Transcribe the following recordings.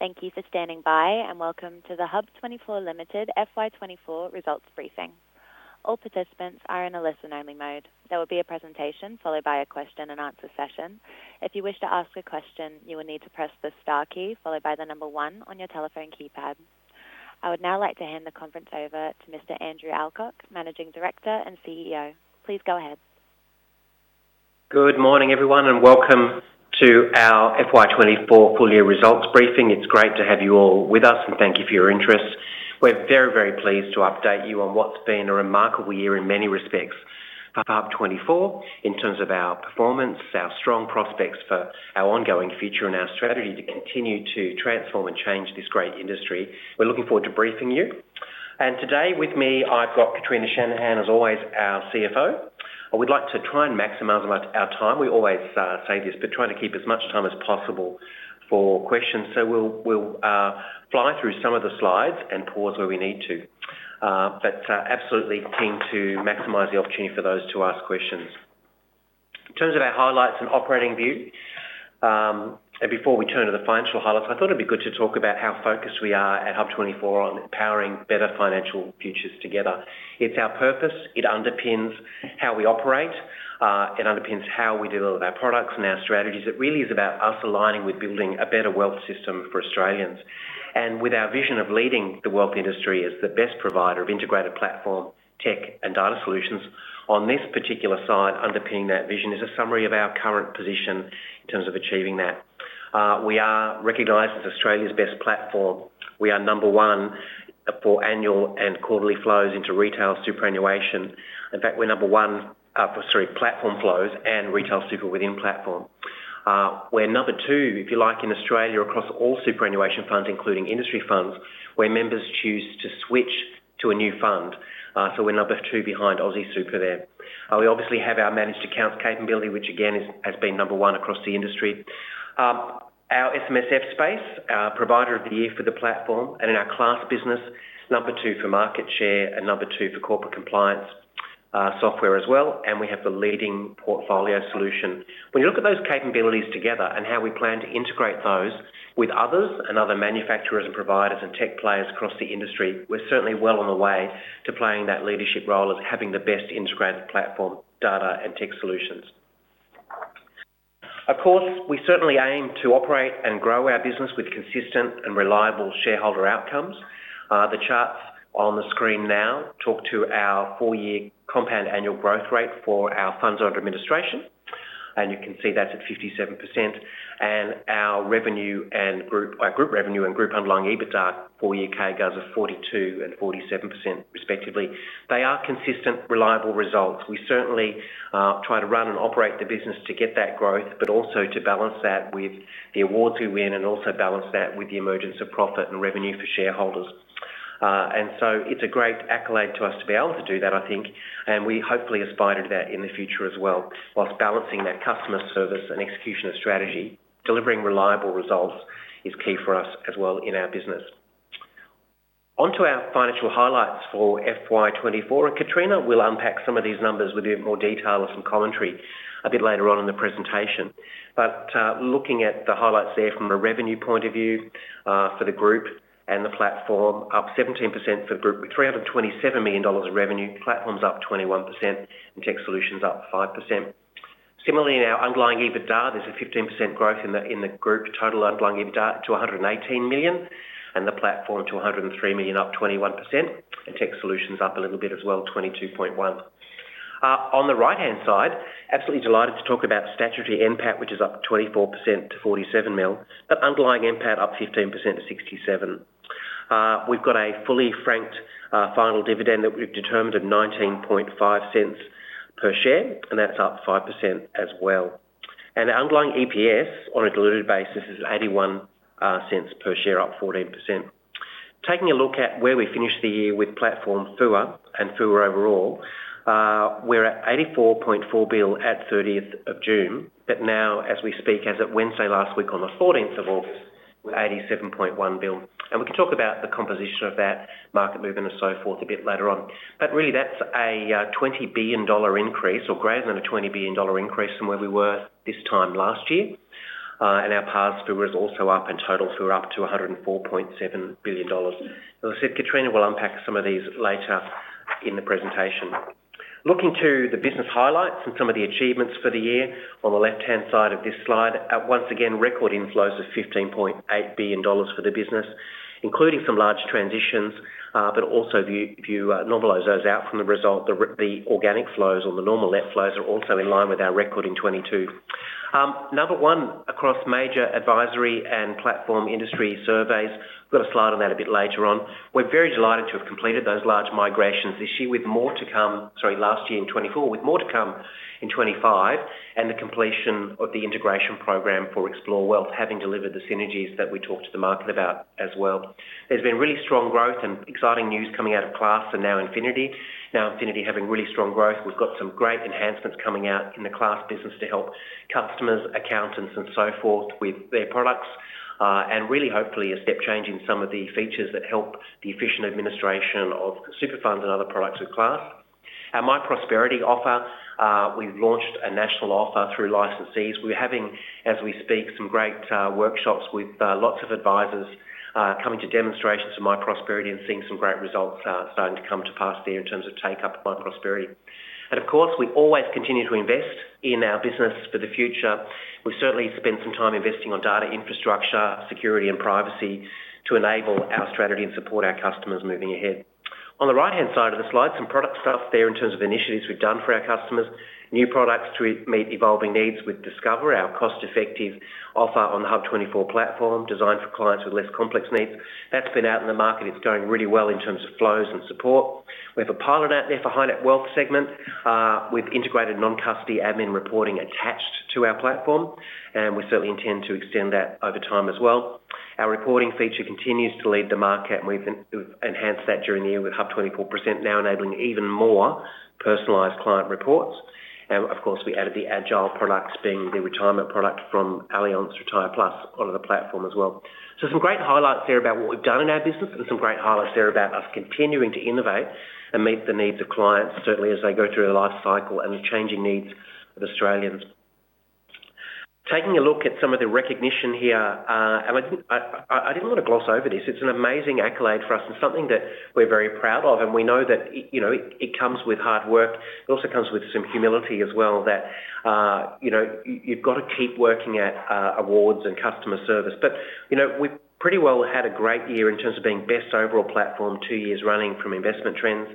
Thank you for standing by, and welcome to the HUB24 Limited FY24 results briefing. All participants are in a listen-only mode. There will be a presentation followed by a question-and-answer session. If you wish to ask a question, you will need to press the star key followed by the number one on your telephone keypad. I would now like to hand the conference over to Mr. Andrew Alcock, Managing Director and CEO. Please go ahead. Good morning, everyone, and welcome to our FY24 full year results briefing. It's great to have you all with us, and thank you for your interest. We're very, very pleased to update you on what's been a remarkable year in many respects for HUB24 in terms of our performance, our strong prospects for our ongoing future, and our strategy to continue to transform and change this great industry. We're looking forward to briefing you. And today with me, I've got Kitrina Shanahan, as always, our CFO. I would like to try and maximize our time. We always say this, but trying to keep as much time as possible for questions. So we'll fly through some of the slides and pause where we need to, but absolutely keen to maximize the opportunity for those to ask questions. In terms of our highlights and operating view, and before we turn to the financial highlights, I thought it'd be good to talk about how focused we are at HUB24 on empowering better financial futures together. It's our purpose. It underpins how we operate. It underpins how we deliver our products and our strategies. It really is about us aligning with building a better wealth system for Australians. And with our vision of leading the wealth industry as the best provider of integrated platform, tech, and data solutions, on this particular side, underpinning that vision is a summary of our current position in terms of achieving that. We are recognized as Australia's best platform. We are number one for annual and quarterly flows into retail superannuation. In fact, we're number one, platform flows and retail super within platform. We're number two, if you like, in Australia, across all superannuation funds, including industry funds, where members choose to switch to a new fund. So we're number two behind AustralianSuper there. We obviously have our managed accounts capability, which again, has been number one across the industry. Our SMSF space, Provider of the Year for the platform and in our Class business, number two for market share and number two for corporate compliance, software as well, and we have the leading portfolio solution. When you look at those capabilities together and how we plan to integrate those with others and other manufacturers and providers and tech players across the industry, we're certainly well on the way to playing that leadership role of having the best integrated platform, data, and tech solutions. Of course, we certainly aim to operate and grow our business with consistent and reliable shareholder outcomes. The charts on the screen now talk to our four-year compound annual growth rate for our funds under administration, and you can see that's at 57%, and our revenue and group revenue and group underlying EBITDA, four-year CAGRs of 42% and 47%, respectively. They are consistent, reliable results. We certainly try to run and operate the business to get that growth, but also to balance that with the awards we win and also balance that with the emergence of profit and revenue for shareholders, and so it's a great accolade to us to be able to do that, I think, and we hopefully aspire to that in the future as well, while balancing that customer service and execution of strategy. Delivering reliable results is key for us as well in our business. On to our financial highlights for FY24, and Katrina will unpack some of these numbers with a bit more detail or some commentary a bit later on in the presentation. But, looking at the highlights there from a revenue point of view, for the group and the platform, up 17% for group, with $327 million of revenue, platform's up 21%, and tech solutions up 5%. Similarly, in our underlying EBITDA, there's a 15% growth in the group total underlying EBITDA to $118 million, and the platform to $103 million, up 21%, and tech solutions up a little bit as well, 22.1%. On the right-hand side, absolutely delighted to talk about statutory NPAT, which is up 24% to $47 million, but underlying NPAT up 15% to $67 million. We've got a fully franked final dividend that we've determined at 19.5 cents per share, and that's up 5% as well. The underlying EPS on a diluted basis is 81 cents per share, up 14%. Taking a look at where we finished the year with platform FUA and FUA overall, we're at $84.4 billion at the 30th of June, but now as we speak, as of Wednesday last week, on the 14th of August, we're $87.1 billion. We can talk about the composition of that market movement and so forth a bit later on. But really, that's a $20 billion increase or greater than a $20 billion increase from where we were this time last year. And our platform FUA is also up. In total, FUA up to $104.7 billion. As I said, Katrina will unpack some of these later in the presentation. Looking to the business highlights and some of the achievements for the year, on the left-hand side of this slide, once again, record inflows of $15.8 billion for the business, including some large transitions, but also if you normalize those out from the result, the organic flows or the normal net flows are also in line with our record in 2022. Number one, across major advisory and platform industry surveys. We've got a slide on that a bit later on. We're very delighted to have completed those large migrations this year, with more to come. Sorry, last year in 2024, with more to come in 2025, and the completion of the integration program for Xplore Wealth, having delivered the synergies that we talked to the market about as well. There's been really strong growth and exciting news coming out of Class and NowInfinity. NowInfinity having really strong growth. We've got some great enhancements coming out in the Class business to help customers, accountants, and so forth with their products, and really hopefully a step change in some of the features that help the efficient administration of super funds and other products with Class. Our myprosperity offer, we've launched a national offer through licensees. We're having, as we speak, some great workshops with lots of advisors coming to demonstrations of myprosperity and seeing some great results starting to come to pass there in terms of take up of myprosperity, and of course, we always continue to invest in our business for the future. We certainly spend some time investing on data infrastructure, security, and privacy to enable our strategy and support our customers moving ahead. On the right-hand side of the slide, some product stuff there in terms of initiatives we've done for our customers. New products to meet evolving needs with Discover, our cost-effective offer on the HUB24 platform, designed for clients with less complex needs. That's been out in the market. It's going really well in terms of flows and support. We have a pilot out there for high-net-worth segment with integrated non-custody admin reporting attached to our platform, and we certainly intend to extend that over time as well. Our reporting feature continues to lead the market, and we've enhanced that during the year, with HUB24 Present now enabling even more personalized client reports. And of course, we added the Agile product, being the retirement product from Allianz Retire+, onto the platform as well. So some great highlights there about what we've done in our business, and some great highlights there about us continuing to innovate and meet the needs of clients, certainly as they go through their life cycle and the changing needs of Australians. Taking a look at some of the recognition here, and I didn't want to gloss over this. It's an amazing accolade for us and something that we're very proud of, and we know that it, you know, it comes with hard work. It also comes with some humility as well, that, you know, you've got to keep working at awards and customer service. But, you know, we've pretty well had a great year in terms of being best overall platform two years running from Investment Trends,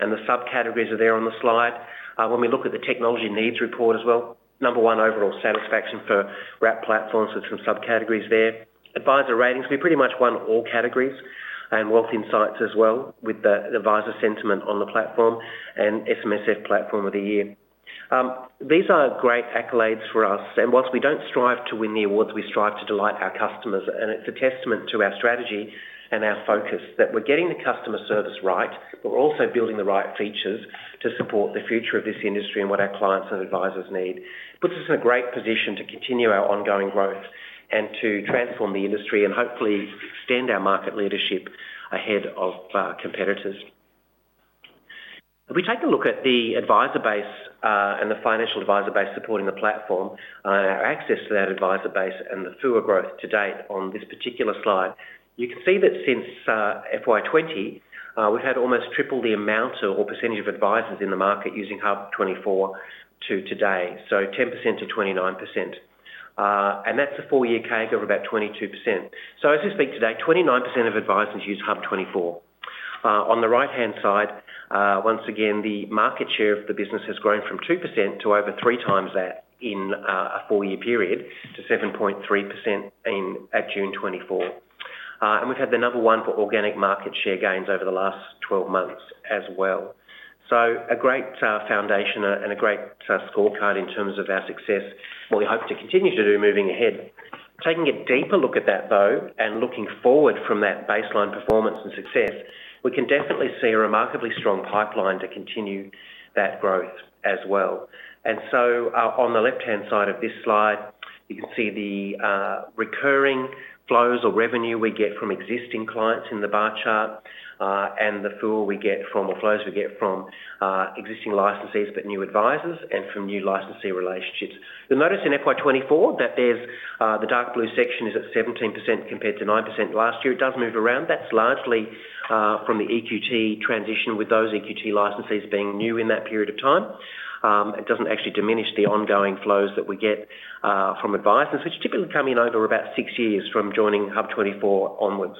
and the subcategories are there on the slide. When we look at the Technology Needs Report as well, number one, overall satisfaction for wrap platforms with some subcategories there. Adviser Ratings, we pretty much won all categories, and Wealth Insights as well, with the advisor sentiment on the platform and SMSF Platform of the Year. These are great accolades for us, and while we don't strive to win the awards, we strive to delight our customers, and it's a testament to our strategy and our focus that we're getting the customer service right, but we're also building the right features to support the future of this industry and what our clients and advisors need. Puts us in a great position to continue our ongoing growth and to transform the industry and hopefully extend our market leadership ahead of competitors. If we take a look at the advisor base, and the financial advisor base supporting the platform, our access to that advisor base and the FUA growth to date on this particular slide, you can see that since FY 2020, we've had almost triple the amount or percentage of advisors in the market using HUB24 to today, so 10% to 29%. And that's a four-year CAGR of about 22%. So as we speak today, 29% of advisors use HUB24. On the right-hand side, once again, the market share of the business has grown from 2% to over three times that in a four-year period, to 7.3% in at June 2024. And we've had the number one for organic market share gains over the last twelve months as well. So a great foundation and a great scorecard in terms of our success, what we hope to continue to do moving ahead. Taking a deeper look at that, though, and looking forward from that baseline performance and success, we can definitely see a remarkably strong pipeline to continue that growth as well. And so on the left-hand side of this slide, you can see the recurring flows or revenue we get from existing clients in the bar chart, and the FUA we get from, or flows we get from, existing licensees, but new advisors and from new licensee relationships. You'll notice in FY 2024, that there's the dark blue section is at 17% compared to 9% last year. It does move around. That's largely from the EQT transition, with those EQT licensees being new in that period of time. It doesn't actually diminish the ongoing flows that we get from advisors, which typically come in over about six years from joining HUB24 onwards.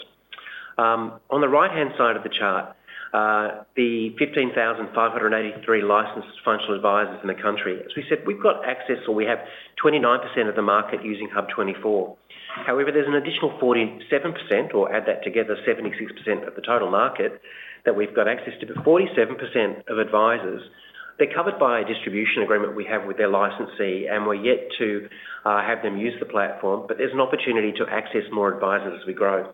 On the right-hand side of the chart, the 15,583 licensed financial advisors in the country. As we said, we've got access, or we have 29% of the market using HUB24. However, there's an additional 47%, or add that together, 76% of the total market, that we've got access to. But 47% of advisors, they're covered by a distribution agreement we have with their licensee, and we're yet to have them use the platform, but there's an opportunity to access more advisors as we grow.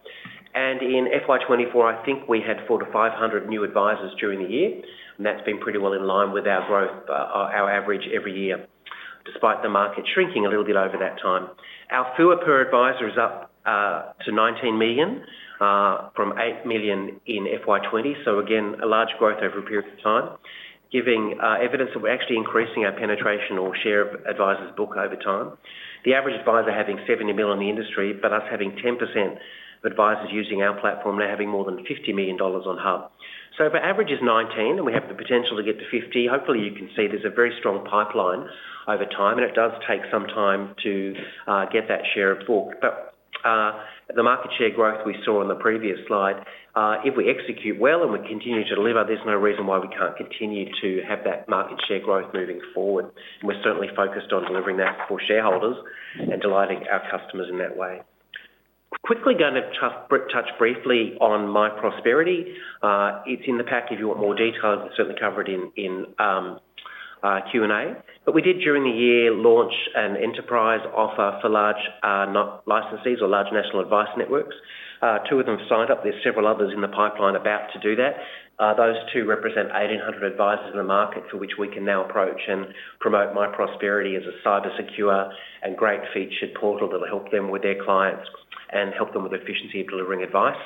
In FY twenty-fourth, I think we had 400-500 new advisors during the year, and that's been pretty well in line with our growth, our average every year, despite the market shrinking a little bit over that time. Our FUA per advisor is up to $19 million from $8 million in FY20. So again, a large growth over a period of time, giving evidence that we're actually increasing our penetration or share of advisors book over time. The average advisor having 70 mil in the industry, but us having 10% of advisors using our platform, they're having more than $50 million on HUB. So if our average is 19, and we have the potential to get to 50, hopefully, you can see there's a very strong pipeline over time, and it does take some time to get that share of book. But the market share growth we saw in the previous slide, if we execute well and we continue to deliver, there's no reason why we can't continue to have that market share growth moving forward. We're certainly focused on delivering that for shareholders and delighting our customers in that way. Quickly going to touch briefly on myprosperity. It's in the pack if you want more details, certainly covered in Q&A. But we did, during the year, launch an enterprise offer for large licensees or large national advice networks. Two of them signed up. There's several others in the pipeline about to do that. Those two represent eighteen hundred advisors in the market, to which we can now approach and promote myprosperity as a cybersecure and great-featured portal that'll help them with their clients and help them with efficiency of delivering advice.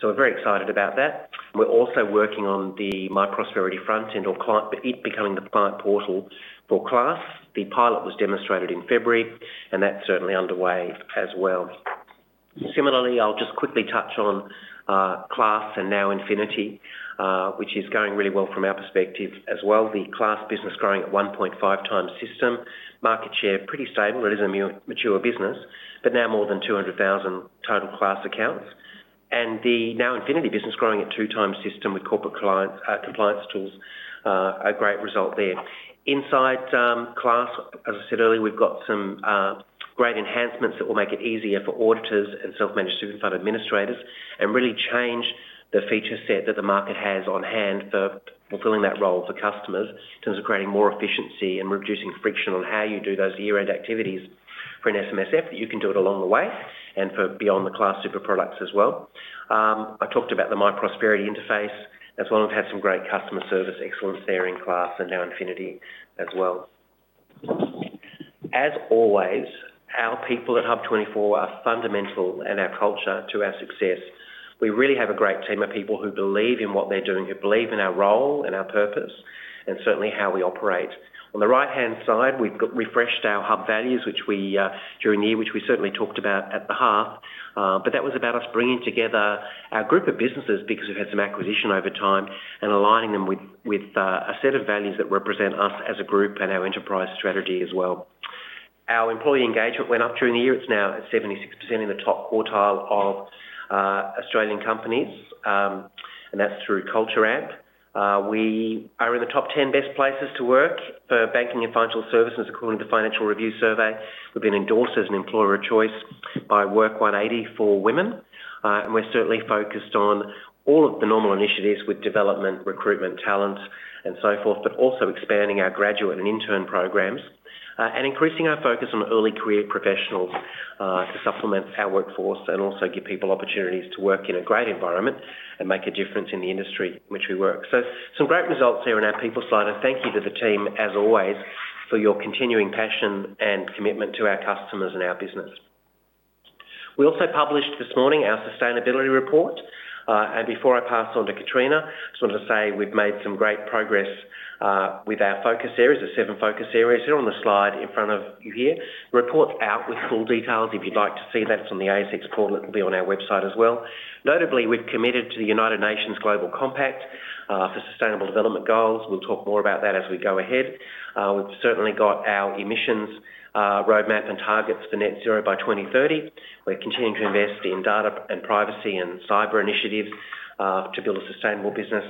So we're very excited about that. We're also working on the myprosperity front-end or client, it becoming the client portal for Class. The pilot was demonstrated in February, and that's certainly underway as well. Similarly, I'll just quickly touch on Class and NowInfinity, which is going really well from our perspective as well. The Class business growing at 1.5 times system market share, pretty stable. It is a mature business, but now more than two hundred thousand total Class accounts, and the NowInfinity business growing at two times system with corporate clients, compliance tools. A great result there. Inside, Class, as I said earlier, we've got some great enhancements that will make it easier for auditors and self-managed super fund administrators and really change the feature set that the market has on hand for fulfilling that role for customers, in terms of creating more efficiency and reducing friction on how you do those year-end activities for an SMSF, that you can do it along the way and for beyond the Class Super products as well. I talked about the myprosperity interface as well, and we've had some great customer service excellence there in Class and NowInfinity as well. As always, our people at HUB24 are fundamental, and our culture, to our success. We really have a great team of people who believe in what they're doing, who believe in our role and our purpose, and certainly how we operate. On the right-hand side, we've got refreshed our HUB values, which we during the year, which we certainly talked about at the half. But that was about us bringing together our group of businesses because we've had some acquisition over time and aligning them with, with a set of values that represent us as a group and our enterprise strategy as well. Our employee engagement went up during the year. It's now at 76% in the top quartile of Australian companies, and that's through Culture Amp. We are in the top ten best places to work for banking and financial services, according to Financial Review survey. We've been endorsed as an employer of choice by Work180 for women, and we're certainly focused on all of the normal initiatives with development, recruitment, talent, and so forth, but also expanding our graduate and intern programs, and increasing our focus on early career professionals, to supplement our workforce and also give people opportunities to work in a great environment and make a difference in the industry in which we work. So some great results there on our people slide, and thank you to the team, as always, for your continuing passion and commitment to our customers and our business. We also published this morning our sustainability report, and before I pass on to Katrina, I just wanted to say we've made some great progress, with our focus areas, the seven focus areas here on the slide in front of you here. Report's out with full details. If you'd like to see that, it's on the ASX portal. It'll be on our website as well. Notably, we've committed to the United Nations Global Compact, for Sustainable Development Goals. We'll talk more about that as we go ahead. We've certainly got our emissions, roadmap and targets for net zero by 2030. We're continuing to invest in data and privacy and cyber initiatives, to build a sustainable business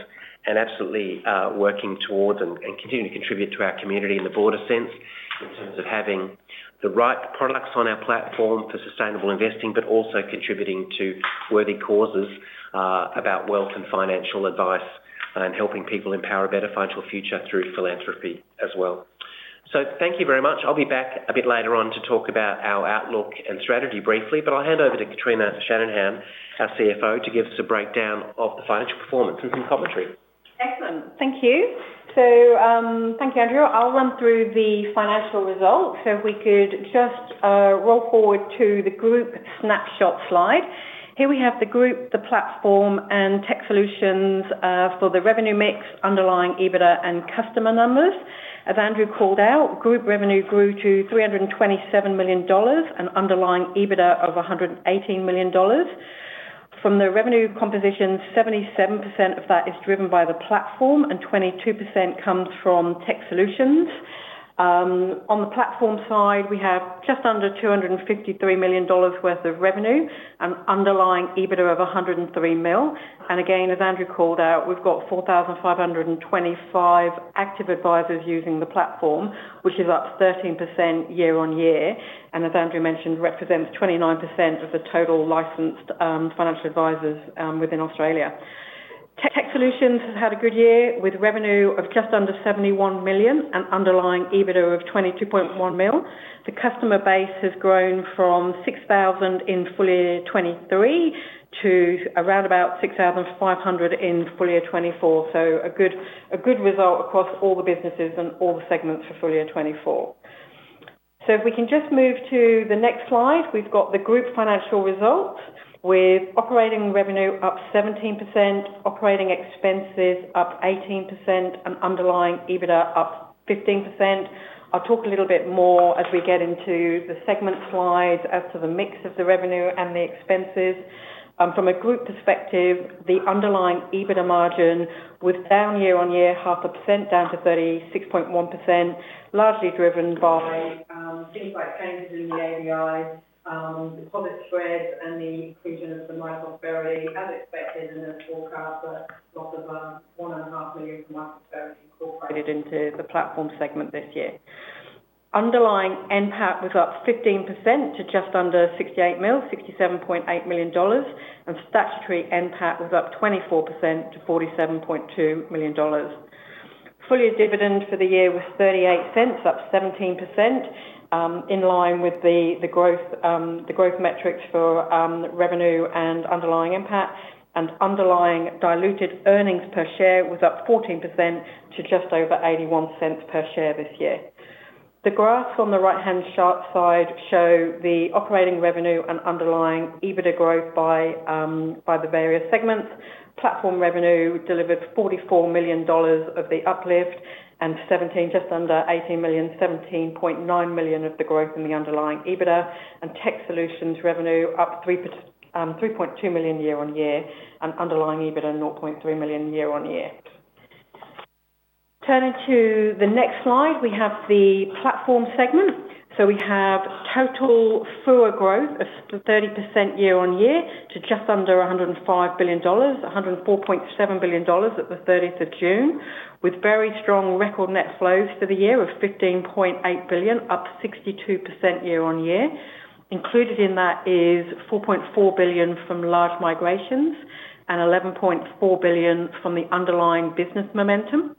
and absolutely, working towards and continuing to contribute to our community in the broader sense, in terms of having the right products on our platform for sustainable investing, but also contributing to worthy causes, about wealth and financial advice, and helping people empower a better financial future through philanthropy as well. So thank you very much. I'll be back a bit later on to talk about our outlook and strategy briefly, but I'll hand over to Katrina Shanahan, our CFO, to give us a breakdown of the financial performance and commentary. Excellent. Thank you. So, thank you, Andrew. I'll run through the financial results. So if we could just roll forward to the group snapshot slide. Here we have the group, the platform, and tech solutions for the revenue mix, underlying EBITDA and customer numbers. As Andrew called out, group revenue grew to $327 million, an underlying EBITDA of $118 million. From the revenue composition, 77% of that is driven by the platform, and 22% comes from tech solutions. On the platform side, we have just under $253 million worth of revenue and underlying EBITDA of $103 million. And again, as Andrew called out, we've got 4,525 active advisors using the platform, which is up 13% year-on-year, and as Andrew mentioned, represents 29% of the total licensed financial advisors within Australia. Tech solutions has had a good year, with revenue of just under $71 million and underlying EBITDA of $22.1 million. The customer base has grown from 6,000 in full year 2023 to around about 6,500 in full year 2024. So a good result across all the businesses and all the segments for full year 2024. So if we can just move to the next slide, we've got the group's financial results, with operating revenue up 17%, operating expenses up 18%, and underlying EBITDA up 15%. I'll talk a little bit more as we get into the segment slides as to the mix of the revenue and the expenses. From a group perspective, the underlying EBITDA margin was down year-on-year, 0.5%, down to 36.1%, largely driven by things like changes in the ADI, deposit spreads, and the inclusion of the myprosperity as expected in the forecast, but not of $1.5 million myprosperity incorporated into the platform segment this year. Underlying NPAT was up 15% to just under 68 mil, $67.8 million, and statutory NPAT was up 24% to $47.2 million. Full-year dividend for the year was $0.38, up 17%, in line with the growth metrics for revenue and underlying NPAT, and underlying diluted earnings per share was up 14% to just over $0.81 per share this year. The graphs on the right-hand chart side show the operating revenue and underlying EBITDA growth by the various segments. Platform revenue delivered $44 million of the uplift, and 17, just under 18 million, $17.9 million of the growth in the underlying EBITDA, and tech solutions revenue up $3.2 million year-on-year, and underlying EBITDA 0.3 million year-on-year. Turning to the next slide, we have the platform segment. We have total FUA growth of 30% year-on-year to just under $105 billion, $104.7 billion at the 30th of June, with very strong record net flows for the year of $ 15.8 billion, up 62% year-on-year. Included in that is $4.4 billion from large migrations and $11.4 billion from the underlying business momentum.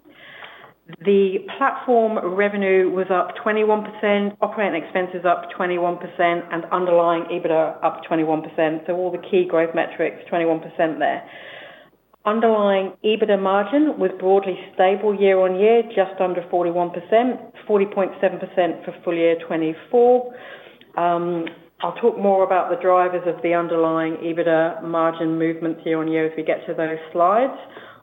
The platform revenue was up 21%, operating expenses up 21%, and underlying EBITDA up 21%. So all the key growth metrics, 21% there. Underlying EBITDA margin was broadly stable year-on-year, just under 41%, 40.7% for full year 2024. I'll talk more about the drivers of the underlying EBITDA margin movement year-on-year as we get to those slides.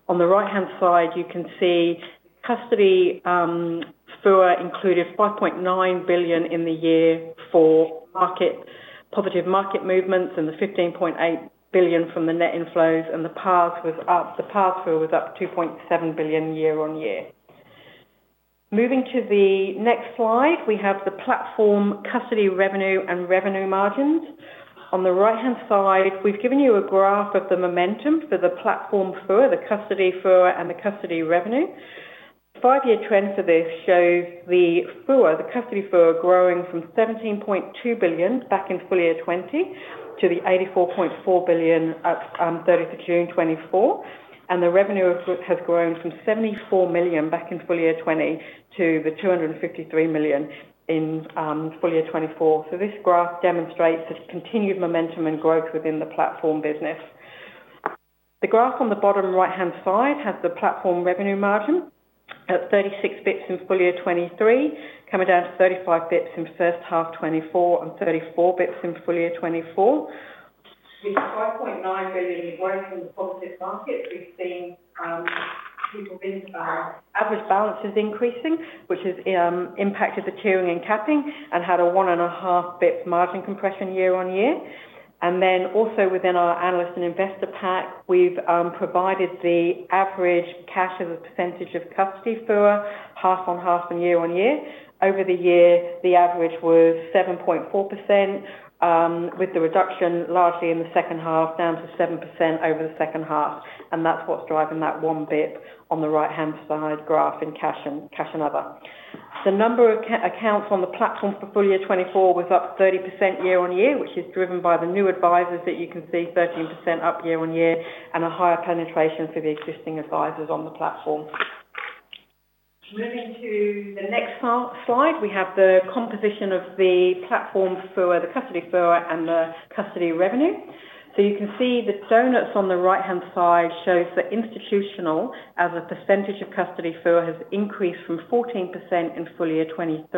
On the right-hand side, you can see custody FUA included 5.9 billion in the year for positive market movements and the 15.8 billion from the net inflows, and the PARS was up. The PARS FUA was up 2.7 billion year-on-year. Moving to the next slide, we have the platform custody revenue and revenue margins. On the right-hand side, we've given you a graph of the momentum for the platform FUA, the custody FUA, and the custody revenue. Five-year trend for this shows the FUA, the custody FUA, growing from 17.2 billion back in full year 2020 to the 84.4 billion at 30 June 2024, and the revenue of it has grown from 74 million back in full year 2020 to the 253 million in full year 2024. This graph demonstrates the continued momentum and growth within the platform business. The graph on the bottom right-hand side has the platform revenue margin at 36 basis points in full year 2023, coming down to 35 basis points in first half 2024 and 34 basis points in full year 2024. With the $5.9 billion growth in the positive market, we've seen [people risk] our average balance is increasing, which has impacted the tiering and capping and had a 1.5 basis points margin compression year-on-year. And then also within our analyst and investor pack, we've provided the average cash as a percentage of custody FUA, half on half and year-on-year. Over the year, the average was 7.4%, with the reduction largely in the second half, down to 7% over the second half, and that's what's driving that one bit on the right-hand side graph in cash and, cash and other. The number of accounts on the platform for full year 2024 was up 30% year-on-year, which is driven by the new advisors that you can see 13% up year-on-year, and a higher penetration for the existing advisors on the platform. Moving to the next part, slide, we have the composition of the platform FUA, the custody FUA, and the custody revenue. So you can see the donuts on the right-hand side shows that institutional, as a percentage of custody FUA, has increased from 14% in full year 2023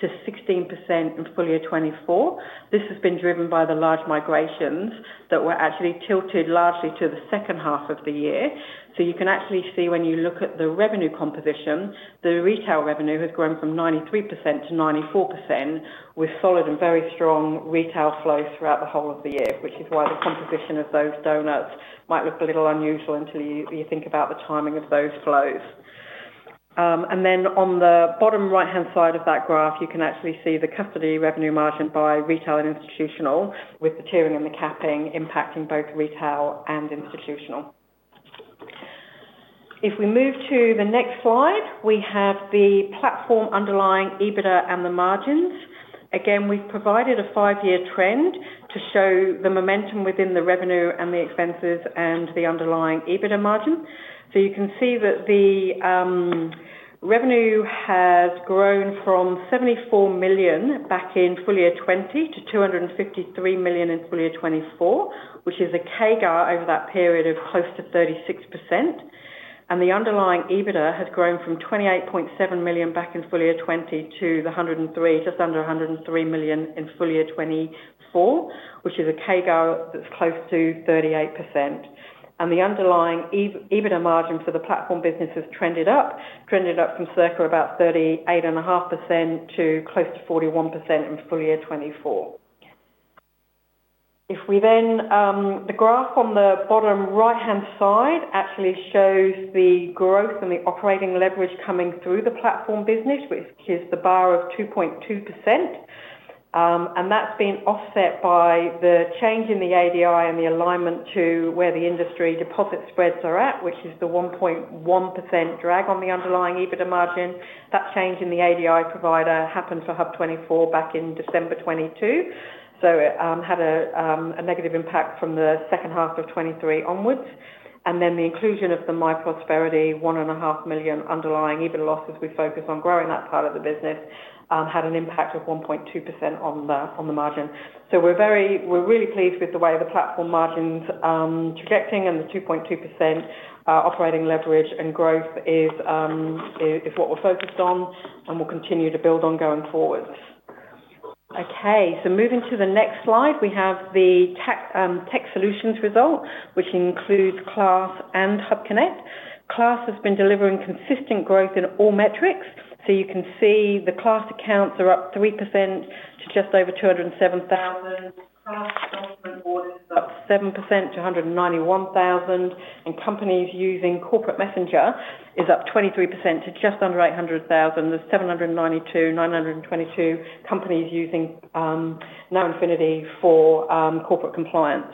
to 16% in full year 2024. This has been driven by the large migrations that were actually tilted largely to the second half of the year. So you can actually see when you look at the revenue composition, the retail revenue has grown from 93%-94%, with solid and very strong retail flows throughout the whole of the year, which is why the composition of those donuts might look a little unusual until you think about the timing of those flows. And then on the bottom right-hand side of that graph, you can actually see the custody revenue margin by retail and institutional, with the tiering and the capping impacting both retail and institutional. If we move to the next slide, we have the platform underlying EBITDA and the margins. Again, we've provided a five-year trend to show the momentum within the revenue and the expenses and the underlying EBITDA margin. So you can see that the revenue has grown from $74 million back in full year 2020 to $253 million in full year 2024, which is a CAGR over that period of close to 36%. And the underlying EBITDA has grown from $28.7 million back in full year 2020 to just under $103 million in full year 2024, which is a CAGR that's close to 38%. And the underlying EBITDA margin for the platform business has trended up from circa about 38.5% to close to 41% in full year 2024. If we then, the graph on the bottom right-hand side actually shows the growth and the operating leverage coming through the platform business, which is the bar of 2.2%. And that's been offset by the change in the ADI and the alignment to where the industry deposit spreads are at, which is the 1.1% drag on the underlying EBITDA margin. That change in the ADI provider happened for HUB24 back in December 2022. So it had a negative impact from the second half of 2023 onwards, and then the inclusion of the myprosperity $1.5 million underlying EBITDA losses, we focus on growing that part of the business, had an impact of 1.2% on the margin. So we're really pleased with the way the platform margin's trajecting and the 2.2% operating leverage and growth is what we're focused on and will continue to build on going forwards. Okay, so moving to the next slide, we have the tech solutions result, which includes Class and HUBconnect. Class has been delivering consistent growth in all metrics. So you can see the Class accounts are up 3% to just over 207,000. is up 7% to 191,000, and companies using Corporate Messenger is up 23% to just under 800,000. There's 792,922 companies using NowInfinity for corporate compliance.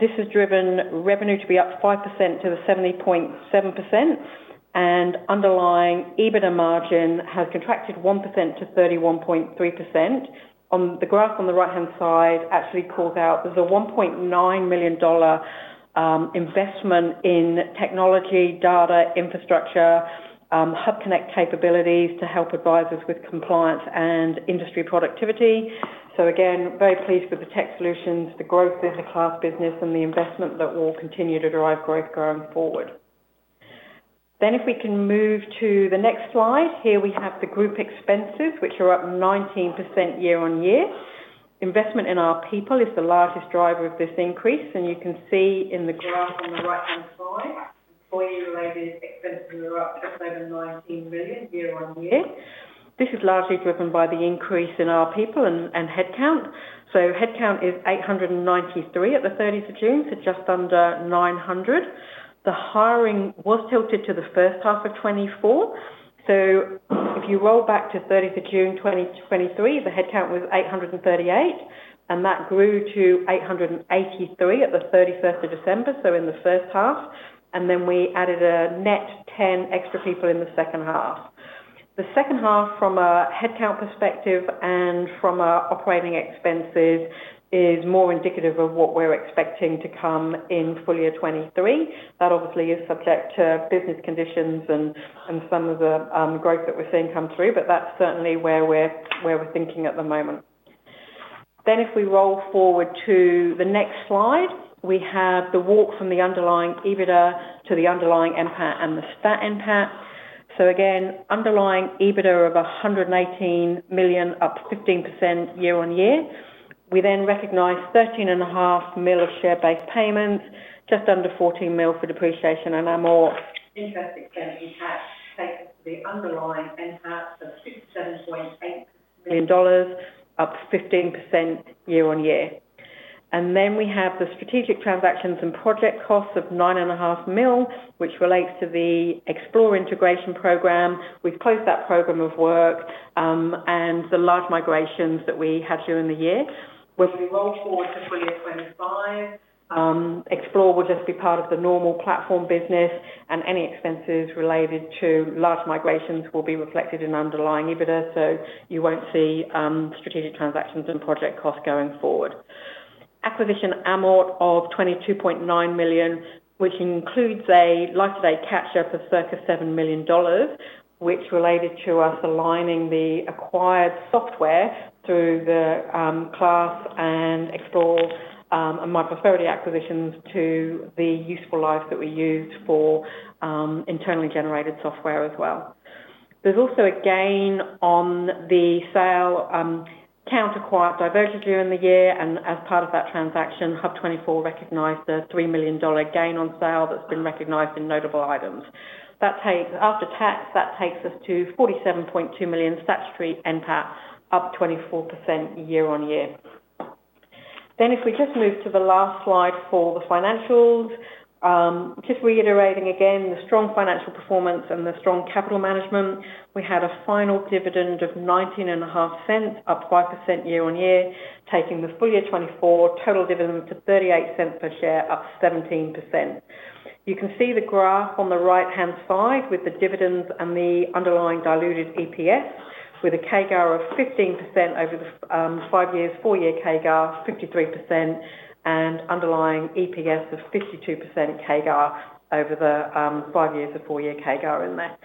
This has driven revenue to be up 5%-70.7%, and underlying EBITDA margin has contracted 1%-31.3%. On the graph on the right-hand side, actually calls out there's a $1.9 million investment in technology, data, infrastructure, HUBconnect capabilities to help advisors with compliance and industry productivity. So again, very pleased with the tech solutions, the growth in the Class business, and the investment that will continue to drive growth going forward. If we can move to the next slide. Here, we have the group expenses, which are up 19% year-on-year. Investment in our people is the largest driver of this increase, and you can see in the graph on the right-hand side, employee-related expenses are up just over $19 million year-on-year. This is largely driven by the increase in our people and headcount. So headcount is 893 at the 18th of June, so just under 900. The hiring was tilted to the first half of 2024. So if you roll back to the thirtieth of June 2023, the headcount was 838, and that grew to 883 at the 31st December, so in the first half, and then we added a net 10 extra people in the second half. The second half, from a headcount perspective and from our operating expenses, is more indicative of what we're expecting to come in full year 2023. That obviously is subject to business conditions and some of the growth that we're seeing come through, but that's certainly where we're thinking at the moment. If we roll forward to the next slide, we have the walk from the underlying EBITDA to the underlying NPAT and the stat NPAT. Again, underlying EBITDA of $118 million, up 15% year-on-year. We then recognize $13.5 million of share-based payments, just under $14 million for depreciation, and amortization, more interest expense, income tax takes the underlying NPAT of $27.8 million, up 15% year-on-year. Then we have the strategic transactions and project costs of $9.5 million, which relates to the Xplore integration program. We've closed that program of work, and the large migrations that we had during the year. When we roll forward to full year 2025, Xplore will just be part of the normal platform business, and any expenses related to large migrations will be reflected in underlying EBITDA, so you won't see strategic transactions and project costs going forward. Acquisition amort of $22.9 million, which includes a year-to-date catch-up of circa $7 million, which related to us aligning the acquired software through the Class and Xplore and myprosperity acquisitions to the useful life that we used for internally generated software as well. There's also a gain on the sale during the year, and as part of that transaction, HUB24 recognized a $3 million gain on sale that's been recognized in notable items. That takes after tax, that takes us to 47.2 million statutory NPAT, up 24% year-on-year. If we just move to the last slide for the financials. Just reiterating again, the strong financial performance and the strong capital management. We had a final dividend of $0.195, up 5% year-on-year, taking the full year twenty-four total dividend to $0.38 per share, up 17%. You can see the graph on the right-hand side with the dividends and the underlying diluted EPS, with a CAGR of 15% over the five years, four-year CAGR 53%, and underlying EPS of 52% CAGR over the five years of four-year CAGR in there.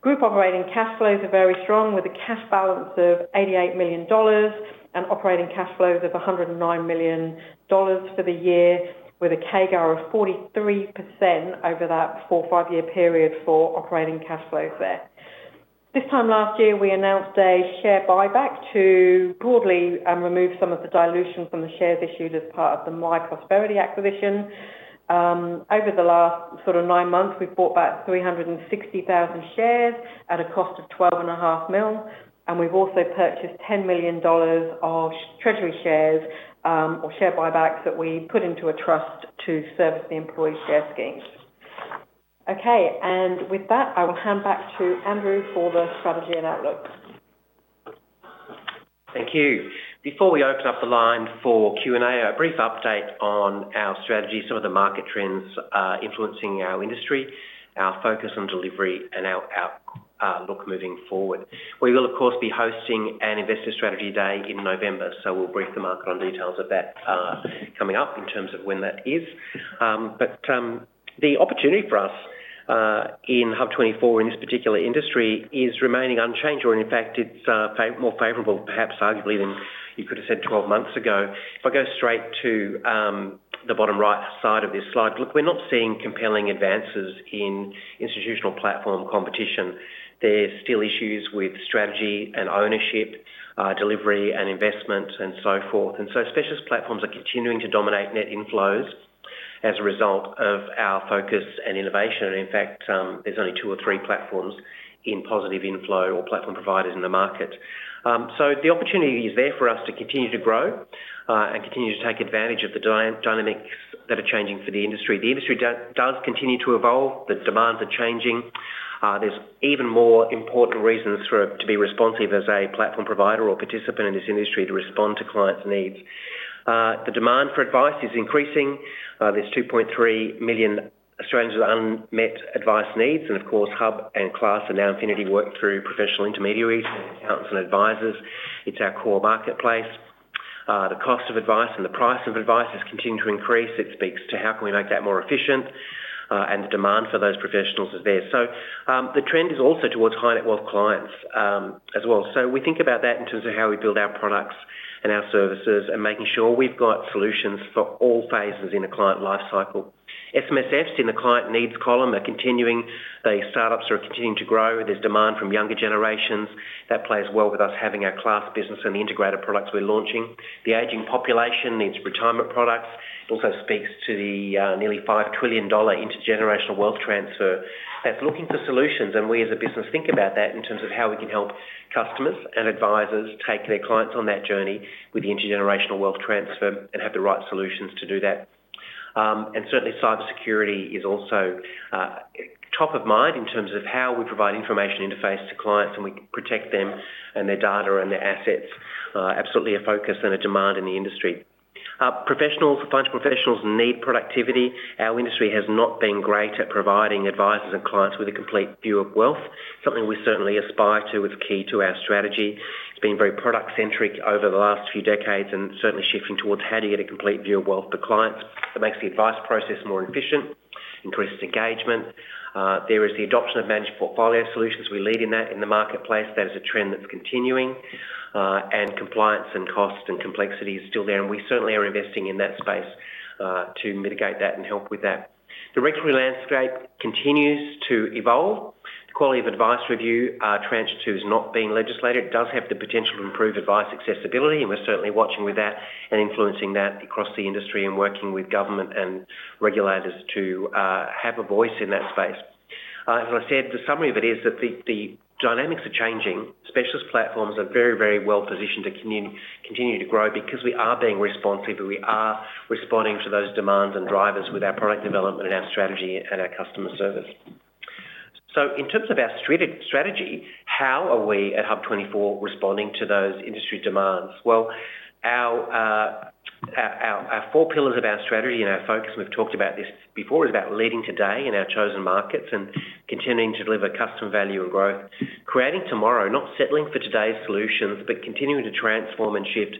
Group operating cash flows are very strong, with a cash balance of $88 million and operating cash flows of $109 million for the year, with a CAGR of 43% over that four, five-year period for operating cash flows there. This time last year, we announced a share buyback to broadly remove some of the dilution from the shares issued as part of the myprosperity acquisition. Over the last sort of nine months, we've bought back 360,000 shares at a cost of $12.5 million, and we've also purchased $10 million of treasury shares, or share buybacks that we put into a trust to service the employee share schemes. Okay, and with that, I will hand back to Andrew for the strategy and outlook. Thank you. Before we open up the line for Q&A, a brief update on our strategy, some of the market trends influencing our industry, our focus on delivery, and our outlook moving forward. We will, of course, be hosting an Investor Strategy Day in November, so we'll brief the market on details of that coming up in terms of when that is. But the opportunity for us in HUB24, in this particular industry, is remaining unchanged, or in fact, it's far more favorable, perhaps arguably than you could have said twelve months ago. If I go straight to the bottom right side of this slide, look, we're not seeing compelling advances in institutional platform competition. There's still issues with strategy and ownership, delivery and investment, and so forth. And so specialist platforms are continuing to dominate net inflows as a result of our focus and innovation. And in fact, there's only two or three platforms in positive inflow or platform providers in the market. So the opportunity is there for us to continue to grow and continue to take advantage of the dynamics that are changing for the industry. The industry does continue to evolve. The demands are changing. There's even more important reasons for to be responsive as a platform provider or participant in this industry to respond to clients' needs. The demand for advice is increasing. There's 2.33 million Australians with unmet advice needs, and of course, HUB and Class and NowInfinity work through professional intermediaries and accounts and advisors. It's our core marketplace. The cost of advice and the price of advice has continued to increase. It speaks to how can we make that more efficient, and the demand for those professionals is there. So, the trend is also towards high-net-worth clients, as well. So we think about that in terms of how we build our products and our services and making sure we've got solutions for all phases in a client life cycle. SMSFs, in the client needs column, are continuing... The startups are continuing to grow. There's demand from younger generations. That plays well with us having our class business and the integrated products we're launching. The aging population needs retirement products. It also speaks to the nearly $5 trillion intergenerational wealth transfer that's looking for solutions, and we, as a business, think about that in terms of how we can help customers and advisors take their clients on that journey with the intergenerational wealth transfer and have the right solutions to do that, and certainly, cybersecurity is also top of mind in terms of how we provide information interface to clients, and we protect them and their data and their assets. Absolutely a focus and a demand in the industry. Our professional, financial professionals need productivity. Our industry has not been great at providing advisors and clients with a complete view of wealth, something we certainly aspire to, it's key to our strategy. It's been very product-centric over the last few decades and certainly shifting towards how do you get a complete view of wealth for clients that makes the advice process more efficient, increases engagement. There is the adoption of managed portfolio solutions. We lead in that in the marketplace. That is a trend that's continuing, and compliance and cost and complexity is still there, and we certainly are investing in that space to mitigate that and help with that. The regulatory landscape continues to evolve. The Quality of Advice Review, tranche two has not been legislated. It does have the potential to improve advice accessibility, and we're certainly watching with that and influencing that across the industry and working with government and regulators to have a voice in that space. As I said, the summary of it is that the dynamics are changing. Specialist platforms are very, very well positioned to continue to grow because we are being responsive, and we are responding to those demands and drivers with our product development and our strategy and our customer service. So in terms of our strategy, how are we at HUB24 responding to those industry demands? Well, our four pillars of our strategy and our focus, we've talked about this before, is about leading today in our chosen markets and continuing to deliver customer value and growth. Creating tomorrow, not settling for today's solutions, but continuing to transform and shift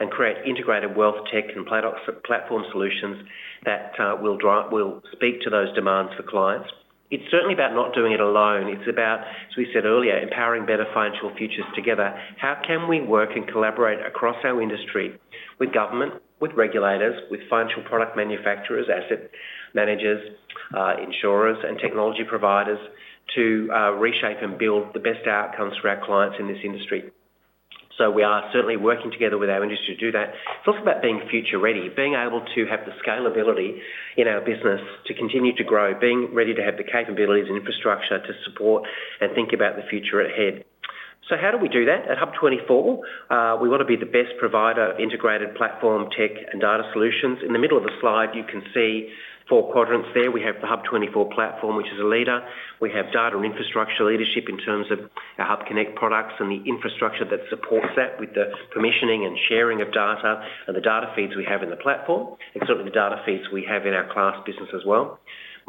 and create integrated wealth tech and platform solutions that will drive... Will speak to those demands for clients. It's certainly about not doing it alone. It's about, as we said earlier, empowering better financial futures together. How can we work and collaborate across our industry with government, with regulators, with financial product manufacturers, asset managers, insurers, and technology providers to reshape and build the best outcomes for our clients in this industry? So we are certainly working together with our industry to do that. It's also about being future-ready, being able to have the scalability in our business to continue to grow, being ready to have the capabilities and infrastructure to support and think about the future ahead. So how do we do that? At HUB24, we want to be the best provider of integrated platform, tech, and data solutions. In the middle of the slide, you can see four quadrants there. We have the HUB24 platform, which is a leader. We have data and infrastructure leadership in terms of our HUBconnect products and the infrastructure that supports that with the permissioning and sharing of data and the data feeds we have in the platform, and certainly the data feeds we have in our Class business as well.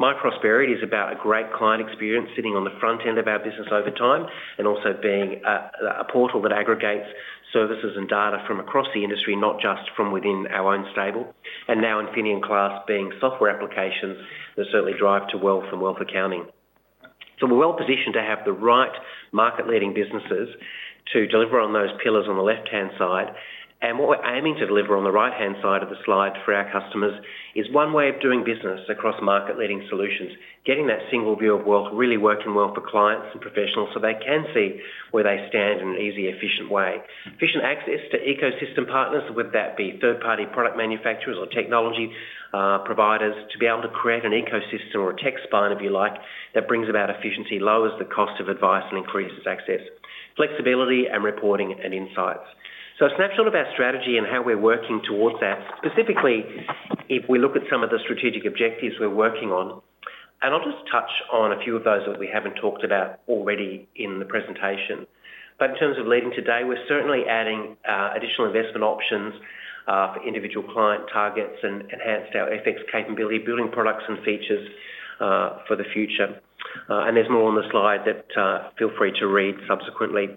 myprosperity is about a great client experience sitting on the front end of our business over time, and also being a portal that aggregates services and data from across the industry, not just from within our own stable. And now, NowInfinity, Class being software applications that certainly drive to wealth and wealth accounting. So we're well positioned to have the right market-leading businesses to deliver on those pillars on the left-hand side. What we're aiming to deliver on the right-hand side of the slide for our customers is one way of doing business across market-leading solutions, getting that single view of wealth, really working well for clients and professionals, so they can see where they stand in an easy, efficient way. Efficient access to ecosystem partners, whether that be third-party product manufacturers or technology providers, to be able to create an ecosystem or a tech spine, if you like, that brings about efficiency, lowers the cost of advice, and increases access, flexibility and reporting and insights. A snapshot of our strategy and how we're working towards that, specifically, if we look at some of the strategic objectives we're working on, and I'll just touch on a few of those that we haven't talked about already in the presentation. But in terms of leading today, we're certainly adding additional investment options for individual client targets and enhanced our FX capability, building products and features for the future. And there's more on the slide that feel free to read subsequently.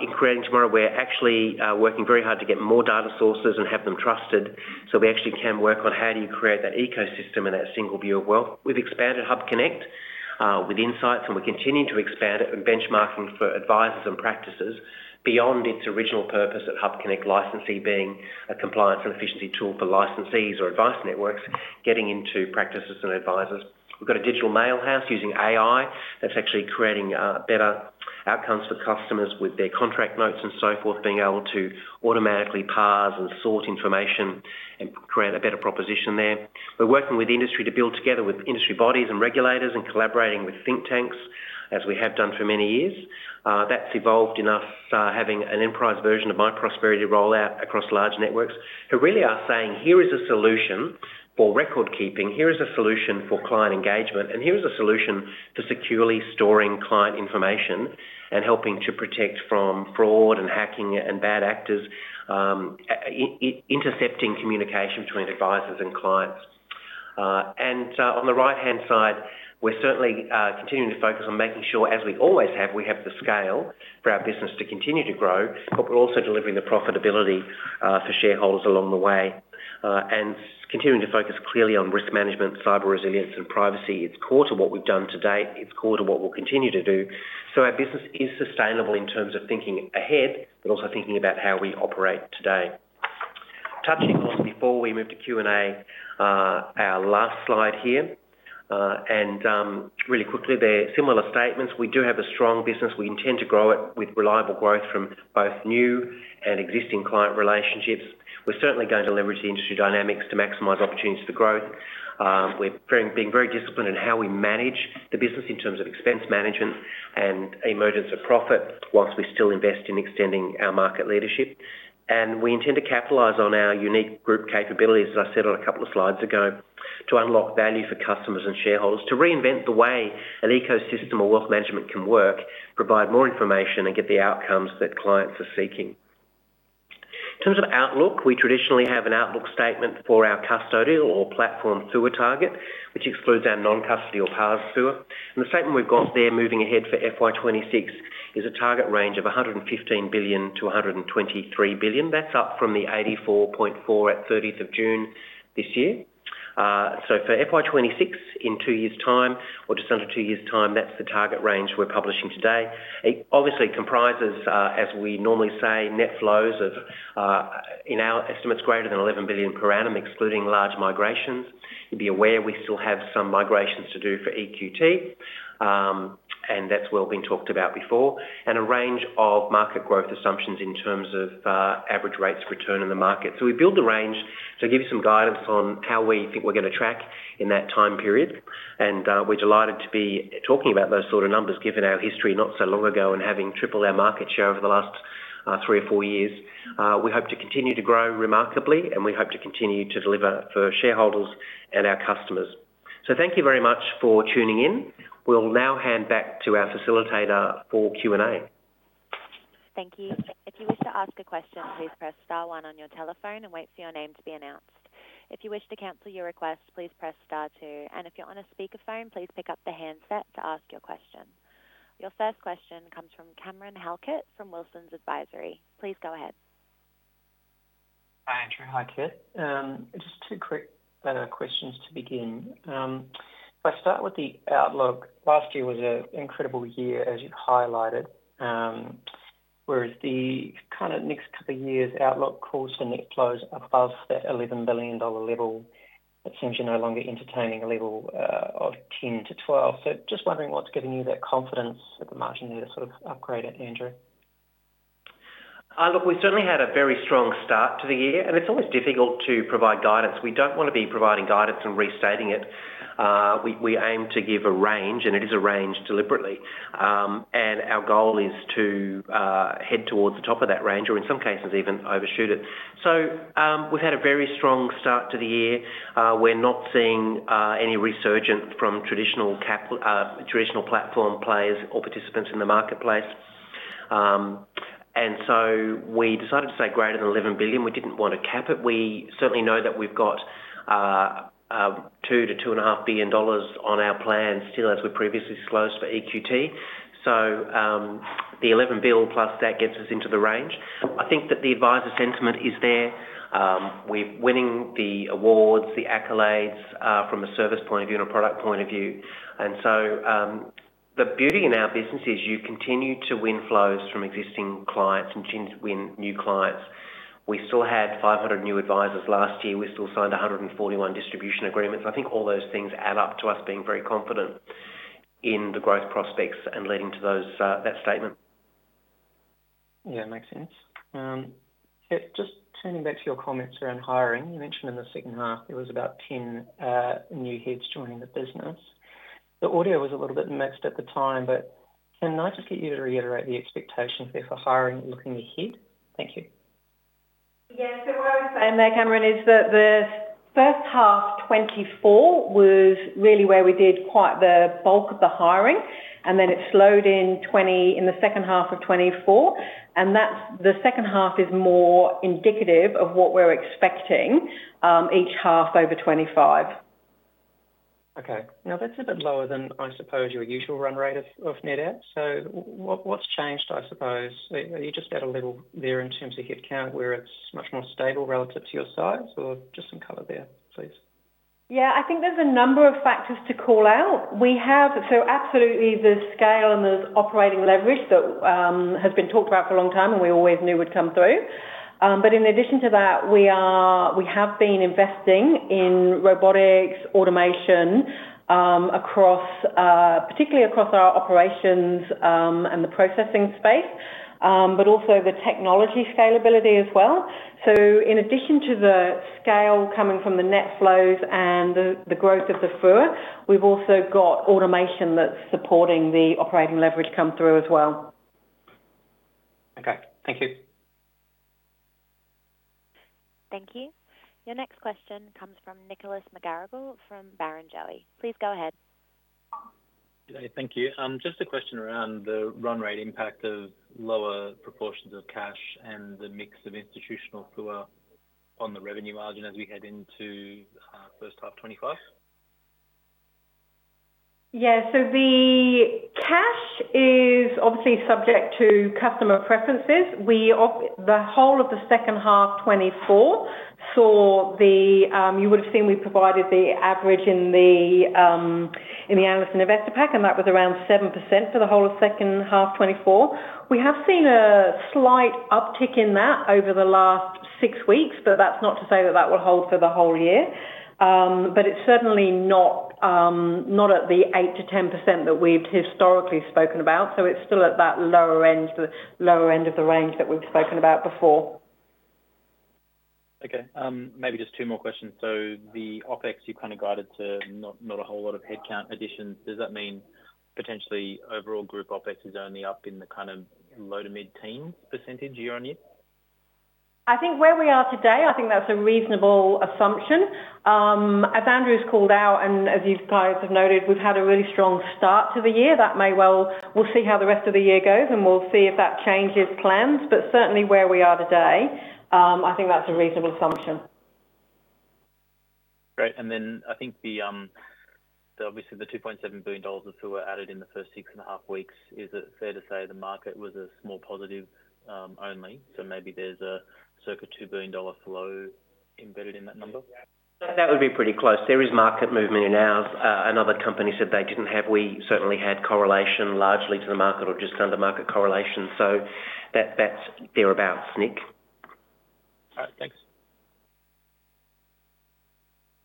In creating tomorrow, we're actually working very hard to get more data sources and have them trusted, so we actually can work on how do you create that ecosystem and that single view of wealth. We've expanded HUBconnect with insights, and we're continuing to expand it and benchmarking for advisors and practices beyond its original purpose at HUBconnect licensee being a compliance and efficiency tool for licensees or advice networks, getting into practices and advisors. We've got a digital mail house using AI that's actually creating better outcomes for customers with their contract notes and so forth, being able to automatically parse and sort information and create a better proposition there. We're working with industry to build together with industry bodies and regulators and collaborating with think tanks, as we have done for many years. That's evolved in us having an enterprise version of myprosperity rollout across large networks, who really are saying: Here is a solution for record keeping, here is a solution for client engagement, and here is a solution for securely storing client information and helping to protect from fraud and hacking and bad actors intercepting communication between advisors and clients. On the right-hand side, we're certainly continuing to focus on making sure, as we always have, we have the scale for our business to continue to grow, but we're also delivering the profitability for shareholders along the way, and continuing to focus clearly on risk management, cyber resilience and privacy. It's core to what we've done to date. It's core to what we'll continue to do. Our business is sustainable in terms of thinking ahead, but also thinking about how we operate today. Touching on, before we move to Q&A, our last slide here, and really quickly, they're similar statements. We do have a strong business. We intend to grow it with reliable growth from both new and existing client relationships. We're certainly going to leverage the industry dynamics to maximize opportunities for growth. We're being very disciplined in how we manage the business in terms of expense management and emerging profit, while we still invest in extending our market leadership. And we intend to capitalize on our unique group capabilities, as I said on a couple of slides ago, to unlock value for customers and shareholders, to reinvent the way an ecosystem of wealth management can work, provide more information, and get the outcomes that clients are seeking. In terms of outlook, we traditionally have an outlook statement for our custodial or platform super target, which excludes our non-custodial platform super. And the statement we've got there, moving ahead for FY 2026, is a target range of $115 billion-$123 billion. That's up from the 84.4 at thirtieth of June this year. So for FY26, in two years' time, or just under two years' time, that's the target range we're publishing today. It obviously comprises, as we normally say, net flows of, in our estimates, greater than $11 billion per annum, excluding large migrations. You'd be aware we still have some migrations to do for EQT, and that's well been talked about before, and a range of market growth assumptions in terms of, average rates return in the market. So we build the range to give you some guidance on how we think we're going to track in that time period, and, we're delighted to be talking about those sort of numbers, given our history not so long ago and having tripled our market share over the last, three or four years. We hope to continue to grow remarkably, and we hope to continue to deliver for shareholders and our customers. So thank you very much for tuning in. We'll now hand back to our facilitator for Q&A. Thank you. If you wish to ask a question, please press star one on your telephone and wait for your name to be announced. If you wish to cancel your request, please press star two, and if you're on a speakerphone, please pick up the handset to ask your question. Your first question comes from Cameron Halkett from Wilsons Advisory. Please go ahead. Hi, Andrew. Hi, Kit. Just two quick questions to begin. If I start with the outlook, last year was an incredible year, as you highlighted, whereas the kind of next couple of years outlook calls for net flows above that $11 billion level, it seems you're no longer entertaining a level of $10 billion-$12 billion. So just wondering what's giving you that confidence at the margin there to sort of upgrade it, Andrew? Look, we certainly had a very strong start to the year, and it's always difficult to provide guidance. We don't want to be providing guidance and restating it. We aim to give a range, and it is a range deliberately. Our goal is to head towards the top of that range or in some cases, even overshoot it. So, we've had a very strong start to the year. We're not seeing any resurgence from traditional platform players or participants in the marketplace. And so we decided to say greater than $11 billion. We didn't want to cap it. We certainly know that we've got $2 billion-$2.5 billion on our plans still, as we previously disclosed, for EQT. So, the 11 billion plus that gets us into the range. I think that the advisor sentiment is there. We're winning the awards, the accolades, from a service point of view and a product point of view. And so, the beauty in our business is you continue to win flows from existing clients and continue to win new clients. We still had 500 new advisors last year. We still signed 141 distribution agreements. I think all those things add up to us being very confident in the growth prospects and leading to those, that statement. Yeah, makes sense. Just turning back to your comments around hiring, you mentioned in the second half, there was about ten new heads joining the business. The audio was a little bit mixed at the time, but can I just get you to reiterate the expectations there for hiring looking ahead? Thank you. Yeah, so what I was saying there, Cameron, is that the first half 2024 was really where we did quite the bulk of the hiring, and then it slowed in 2024—in the second half of 2024, and that's the second half is more indicative of what we're expecting each half over 2025. Okay. Now, that's a bit lower than, I suppose, your usual run rate of net out. So what's changed, I suppose? Are you just a little there in terms of headcount, where it's much more stable relative to your size or just some color there, please?... Yeah, I think there's a number of factors to call out. We have, so absolutely, the scale and the operating leverage that has been talked about for a long time, and we always knew would come through. But in addition to that, we have been investing in robotics, automation, across, particularly across our operations, and the processing space, but also the technology scalability as well. So in addition to the scale coming from the net flows and the growth of the FUA, we've also got automation that's supporting the operating leverage come through as well. Okay, thank you. Thank you. Your next question comes from Nicholas McGarrigle, from Barrenjoey. Please go ahead. G'day, thank you. Just a question around the run rate impact of lower proportions of cash and the mix of institutional FUA on the revenue margin as we head into first half 2025. Yeah. So the cash is obviously subject to customer preferences. The whole of the second half 2024, we saw the. You would have seen, we provided the average in the analyst investor pack, and that was around 7% for the whole of second half 2024. We have seen a slight uptick in that over the last six weeks, but that's not to say that that will hold for the whole year. But it's certainly not at the 8%-10% that we've historically spoken about, so it's still at that lower end, the lower end of the range that we've spoken about before. Okay, maybe just two more questions. So the OpEx, you kind of guided to not a whole lot of headcount additions. Does that mean potentially overall group OpEx is only up in the kind of low- to mid-teens % year-on-year? I think where we are today, I think that's a reasonable assumption. As Andrew's called out, and as you guys have noted, we've had a really strong start to the year. That may well... We'll see how the rest of the year goes, and we'll see if that changes plans, but certainly where we are today, I think that's a reasonable assumption. Great. And then I think the, obviously, the $2.7 billion of FUA added in the first six and a half weeks, is it fair to say the market was a small positive, only? So maybe there's a circa $2 billion dollar flow embedded in that number. That would be pretty close. There is market movement in ours. Another company said they didn't have, we certainly had correlation largely to the market or just under market correlation. So that, that's there about, Nick. All right, thanks.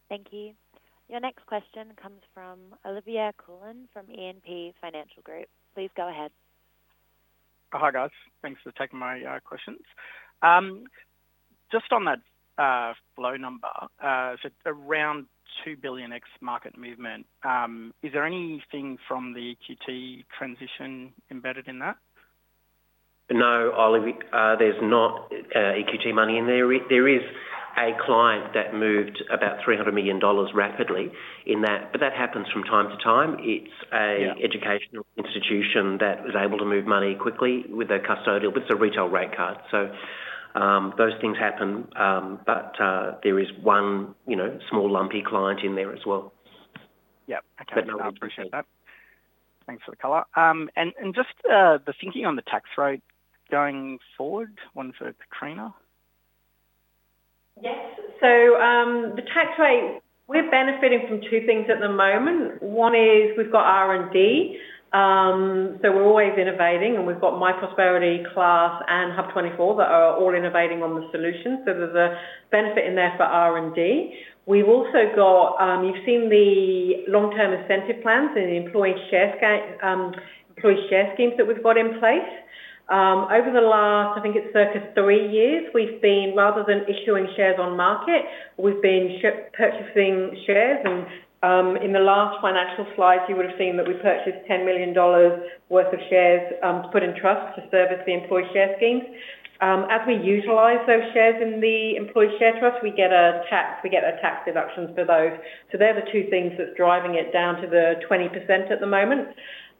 Thank you. Your next question comes from Olivia Cullen, from E&P Financial Group. Please go ahead. Hi, guys. Thanks for taking my questions. Just on that flow number, so around 2 billion ex market movement, is there anything from the EQT transition embedded in that? No, Oli, there's not EQT money in there. There is a client that moved about $300 million rapidly in that, but that happens from time to time. Yeah. It's an educational institution that was able to move money quickly with a custodial. It's a retail rate card, so those things happen, but there is one, you know, small, lumpy client in there as well. Yeah. Okay, I appreciate that. Thanks for the color. Just the thinking on the tax rate going forward, one for Katrina. Yes. So, the tax rate, we're benefiting from two things at the moment. One is we've got R&D, so we're always innovating, and we've got myprosperity, Class, and HUB24, that are all innovating on the solution. So there's a benefit in there for R&D. We've also got, you've seen the long-term incentive plans and the employee share schemes that we've got in place. Over the last, I think it's circa three years, we've been, rather than issuing shares on market, we've been purchasing shares, and, in the last financial slide, you would have seen that we purchased $10 million worth of shares, put in trust to service the employee share schemes. As we utilize those shares in the employee share trust, we get a tax deduction for those. So they're the two things that's driving it down to the 20% at the moment.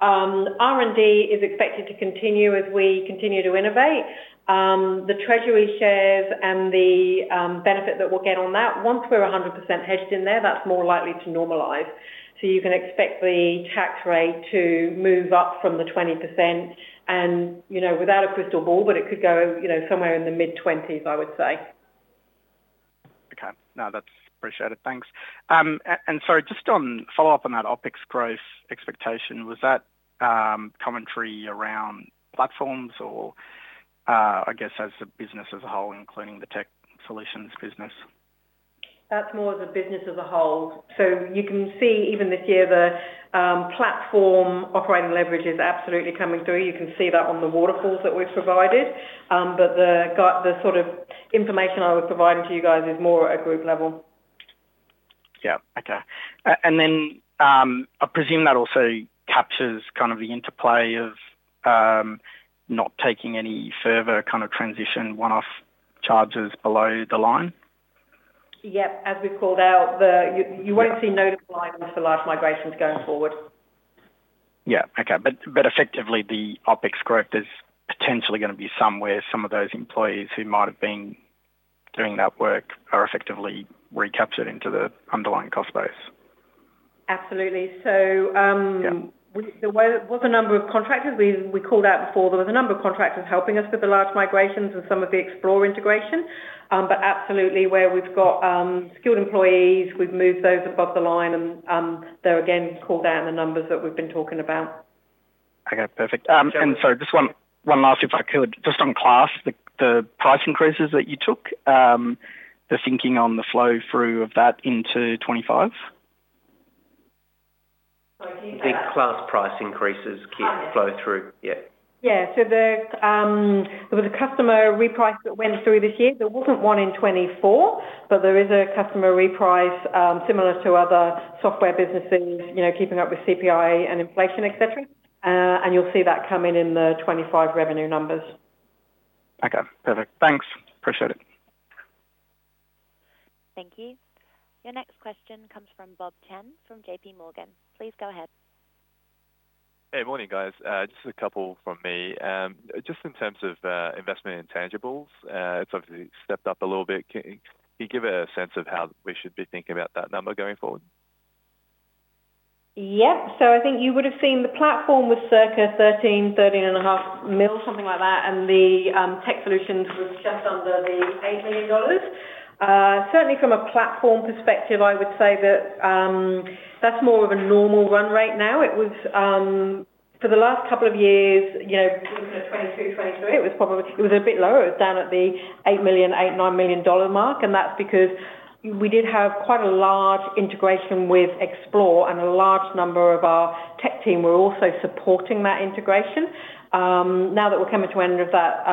R&D is expected to continue as we continue to innovate. The treasury shares and the benefit that we'll get on that, once we're 100% hedged in there, that's more likely to normalize. So you can expect the tax rate to move up from the 20% and, you know, without a crystal ball, but it could go, you know, somewhere in the mid-20s%, I would say. Okay. No, that's appreciated. Thanks. And sorry, just on follow-up on that OpEx growth expectation, was that commentary around platforms or, I guess as a business as a whole, including the tech solutions business? That's more as a business as a whole. So you can see even this year, the platform operating leverage is absolutely coming through. You can see that on the waterfalls that we've provided. But the sort of information I was providing to you guys is more at a group level. Yeah. Okay. And then, I presume that also captures kind of the interplay of not taking any further kind of transition, one-off charges below the line? Yep. As we've called out, you won't see noticeable items for large migrations going forward. Yeah. Okay. But, but effectively, the OpEx growth is potentially gonna be somewhere, some of those employees who might have been doing that work are effectively recaptured into the underlying cost base?... Absolutely. So, Yeah. There was a number of contractors we called out before. There was a number of contractors helping us with the large migrations and some of the Xplore integration. But absolutely, where we've got skilled employees, we've moved those above the line, and they're again called out in the numbers that we've been talking about. Okay, perfect. And so just one last, if I could, just on Class, the price increases that you took, the thinking on the flow through of that into twenty-five? Sorry, can you say that- The Class price increases key flow through. Yeah. Yeah, so there was a customer reprice that went through this year. There wasn't one in 2024, but there is a customer reprice, similar to other software businesses, you know, keeping up with CPI and inflation, et cetera, and you'll see that coming in the 2025 revenue numbers. Okay, perfect. Thanks. Appreciate it. Thank you. Your next question comes from Bob Chen from JPMorgan. Please go ahead. Hey, morning, guys. Just a couple from me. Just in terms of investment in tangibles, it's obviously stepped up a little bit. Can you give a sense of how we should be thinking about that number going forward? Yep, so I think you would have seen the platform was circa $13-$13.5 million, something like that, and the tech solutions was just under $8 million. Certainly from a platform perspective, I would say that that's more of a normal run rate now. It was for the last couple of years, you know, looking at 2022, 2023, it was probably a bit lower. It was down at the $8 million-$9 million mark, and that's because we did have quite a large integration with Xplore, and a large number of our tech team were also supporting that integration. Now that we're coming to end of that,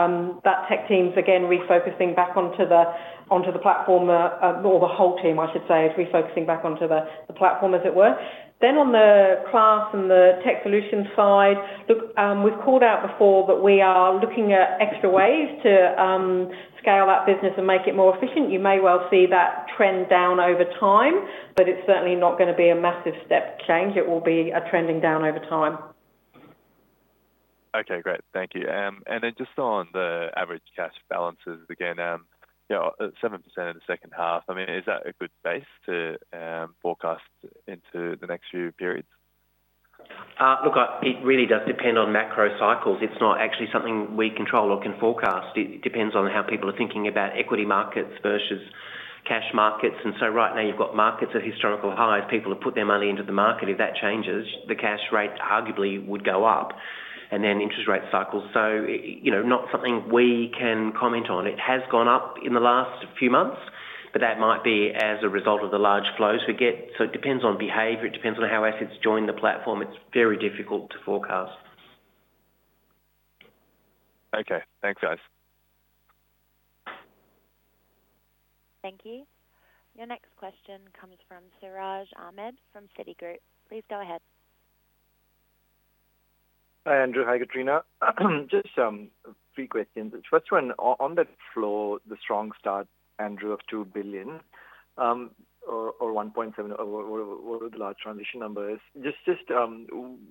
that tech team's, again, refocusing back onto the platform, or the whole team, I should say, is refocusing back onto the platform, as it were. Then on the Class and the tech solution side, look, we've called out before that we are looking at extra ways to scale that business and make it more efficient. You may well see that trend down over time, but it's certainly not going to be a massive step change. It will be a trending down over time. Okay, great. Thank you. And then just on the average cash balances again, you know, at 7% in the second half, I mean, is that a good base to forecast into the next few periods? Look, it really does depend on macro cycles. It's not actually something we control or can forecast. It depends on how people are thinking about equity markets versus cash markets. And so right now, you've got markets at historical highs. People have put their money into the market. If that changes, the cash rates arguably would go up, and then interest rate cycles. So you know, not something we can comment on. It has gone up in the last few months, but that might be as a result of the large flows we get. So it depends on behavior, it depends on how assets join the platform. It's very difficult to forecast. Okay, thanks, guys. Thank you. Your next question comes from Siraj Ahmed from Citigroup. Please go ahead. Hi, Andrew. Hi, Katrina. Just three questions. The first one, on that flow, the strong start, Andrew, of two billion, or one point seven, or whatever the large transition number is, just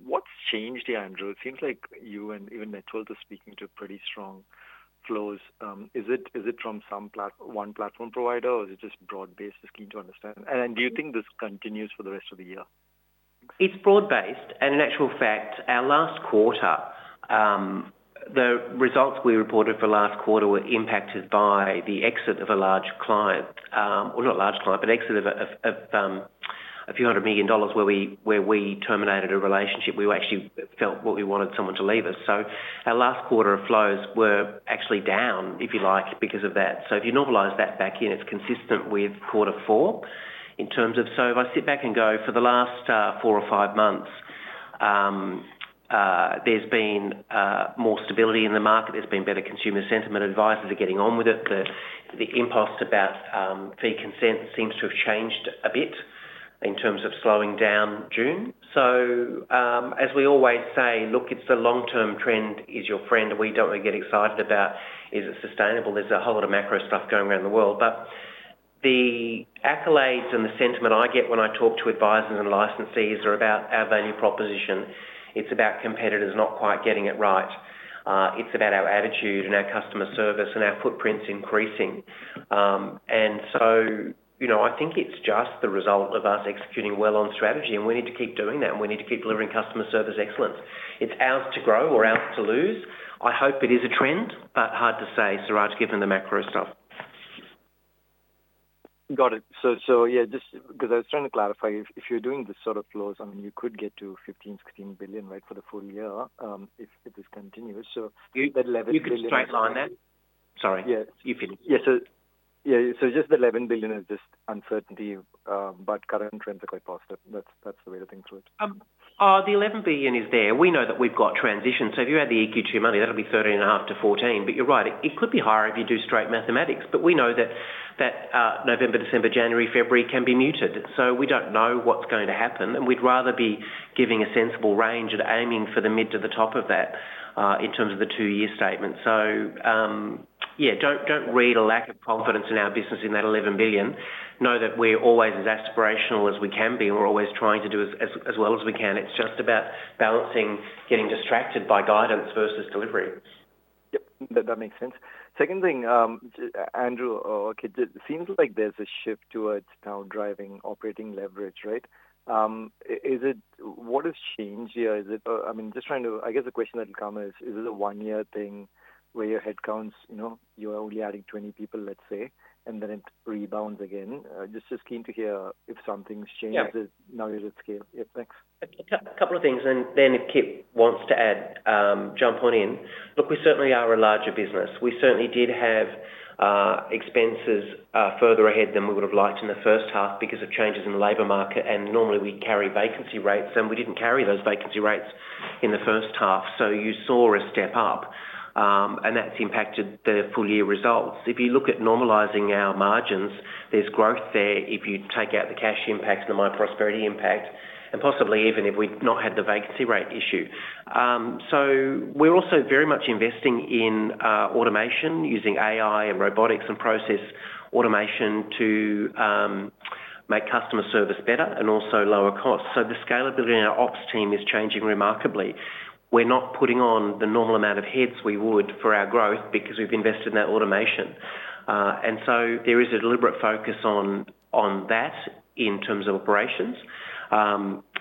what's changed here, Andrew? It seems like you and even networks are speaking to pretty strong flows. Is it from one platform provider, or is it just broad-based? Just keen to understand. And do you think this continues for the rest of the year? It's broad-based, and in actual fact, our last quarter, the results we reported for last quarter were impacted by the exit of a large client, or not a large client, but exit of a few hundred million dollars, where we terminated a relationship. We actually felt what we wanted someone to leave us. Our last quarter of flows were actually down, if you like, because of that. If you normalize that back in, it's consistent with quarter four in terms of... If I sit back and go for the last four or five months, there's been more stability in the market. There's been better consumer sentiment. Advisors are getting on with it. The impulse about fee consent seems to have changed a bit in terms of slowing down June. So, as we always say, look, it's the long-term trend is your friend. We don't really get excited about, is it sustainable? There's a whole lot of macro stuff going around the world, but the accolades and the sentiment I get when I talk to advisors and licensees are about our value proposition. It's about competitors not quite getting it right. It's about our attitude and our customer service and our footprints increasing. And so, you know, I think it's just the result of us executing well on strategy, and we need to keep doing that, and we need to keep delivering customer service excellence. It's ours to grow or ours to lose. I hope it is a trend, but hard to say, Siraj, given the macro stuff. Got it. So yeah, just because I was trying to clarify, if you're doing this sort of flows, I mean, you could get to 15-16 billion, right, for the full year, if this continues. So that eleven billion- You could straight line that. Sorry. Yeah. You can. Yeah, so yeah, so just the 11 billion is just uncertainty, but current trends are quite positive. That's the way to think through it. The 11 billion is there. We know that we've got transitions. So if you add the EQT money, that'll be $13.5 billion-$14 billion. But you're right, it could be higher if you do straight mathematics, but we know that November, December, January, February can be muted. So we don't know what's going to happen, and we'd rather be giving a sensible range and aiming for the mid to the top of that in terms of the two-year statement. So, yeah, don't read a lack of confidence in our business in that $11 billion. Know that we're always as aspirational as we can be, and we're always trying to do as well as we can. It's just about balancing, getting distracted by guidance versus delivery.... That makes sense. Second thing, Andrew, or Kit, it seems like there's a shift towards now driving operating leverage, right? Is it? What has changed here? I mean, I guess the question that will come is, is it a one-year thing where your headcounts, you know, you're only adding twenty people, let's say, and then it rebounds again? Just keen to hear if something's changed- Yeah. Now that it's scale. Yeah, thanks. A couple of things, and then if Kit wants to add, jump on in. Look, we certainly are a larger business. We certainly did have expenses further ahead than we would have liked in the first half because of changes in the labor market, and normally we carry vacancy rates, and we didn't carry those vacancy rates in the first half. So you saw a step up, and that's impacted the full year results. If you look at normalizing our margins, there's growth there if you take out the cash impact and the myprosperity impact, and possibly even if we'd not had the vacancy rate issue. So we're also very much investing in automation using AI and robotics and process automation to make customer service better and also lower costs. So the scalability in our ops team is changing remarkably. We're not putting on the normal amount of heads we would for our growth because we've invested in that automation. And so there is a deliberate focus on that in terms of operations.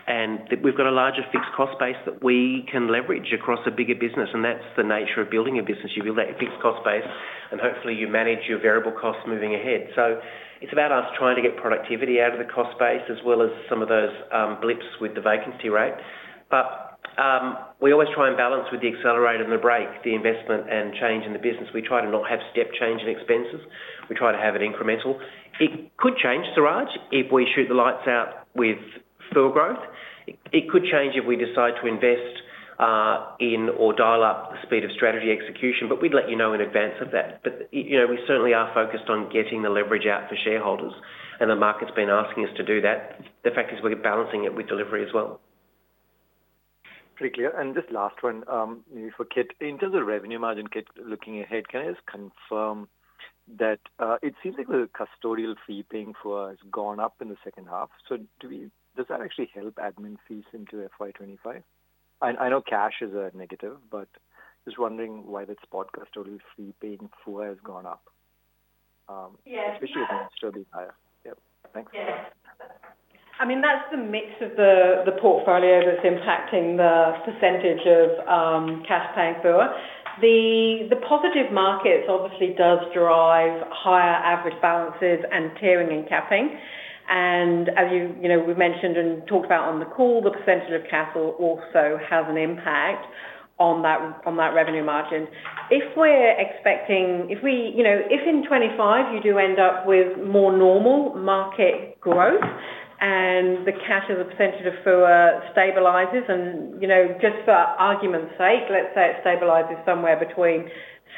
And we've got a larger fixed cost base that we can leverage across a bigger business, and that's the nature of building a business. You build that fixed cost base, and hopefully you manage your variable costs moving ahead. So it's about us trying to get productivity out of the cost base, as well as some of those blips with the vacancy rate. But we always try and balance with the accelerator and the brake, the investment and change in the business. We try to not have step change in expenses. We try to have it incremental. It could change, Suraj, if we shoot the lights out with fuel growth. It could change if we decide to invest in or dial up the speed of strategy execution, but we'd let you know in advance of that. But you know, we certainly are focused on getting the leverage out for shareholders, and the market's been asking us to do that. The fact is we're balancing it with delivery as well. Pretty clear. And this last one, for Kit. In terms of revenue margin, Kit, looking ahead, can I just confirm that it seems like the custodial fee paying FUA has gone up in the second half. So does that actually help admin fees into FY25? I know cash is a negative, but just wondering why that spot custodial fee paying FUA has gone up. Yeah. Especially if it's still to be higher. Yep. Thanks. Yeah. I mean, that's the mix of the portfolio that's impacting the percentage of cash paying for. The positive markets obviously does drive higher average balances and tiering and capping, and as you know, we've mentioned and talked about on the call, the percentage of cash flow also has an impact on that revenue margin. If we're expecting... If we, you know, if in 2025 you do end up with more normal market growth and the cash as a percentage of FUA stabilizes, and, you know, just for argument's sake, let's say it stabilizes somewhere between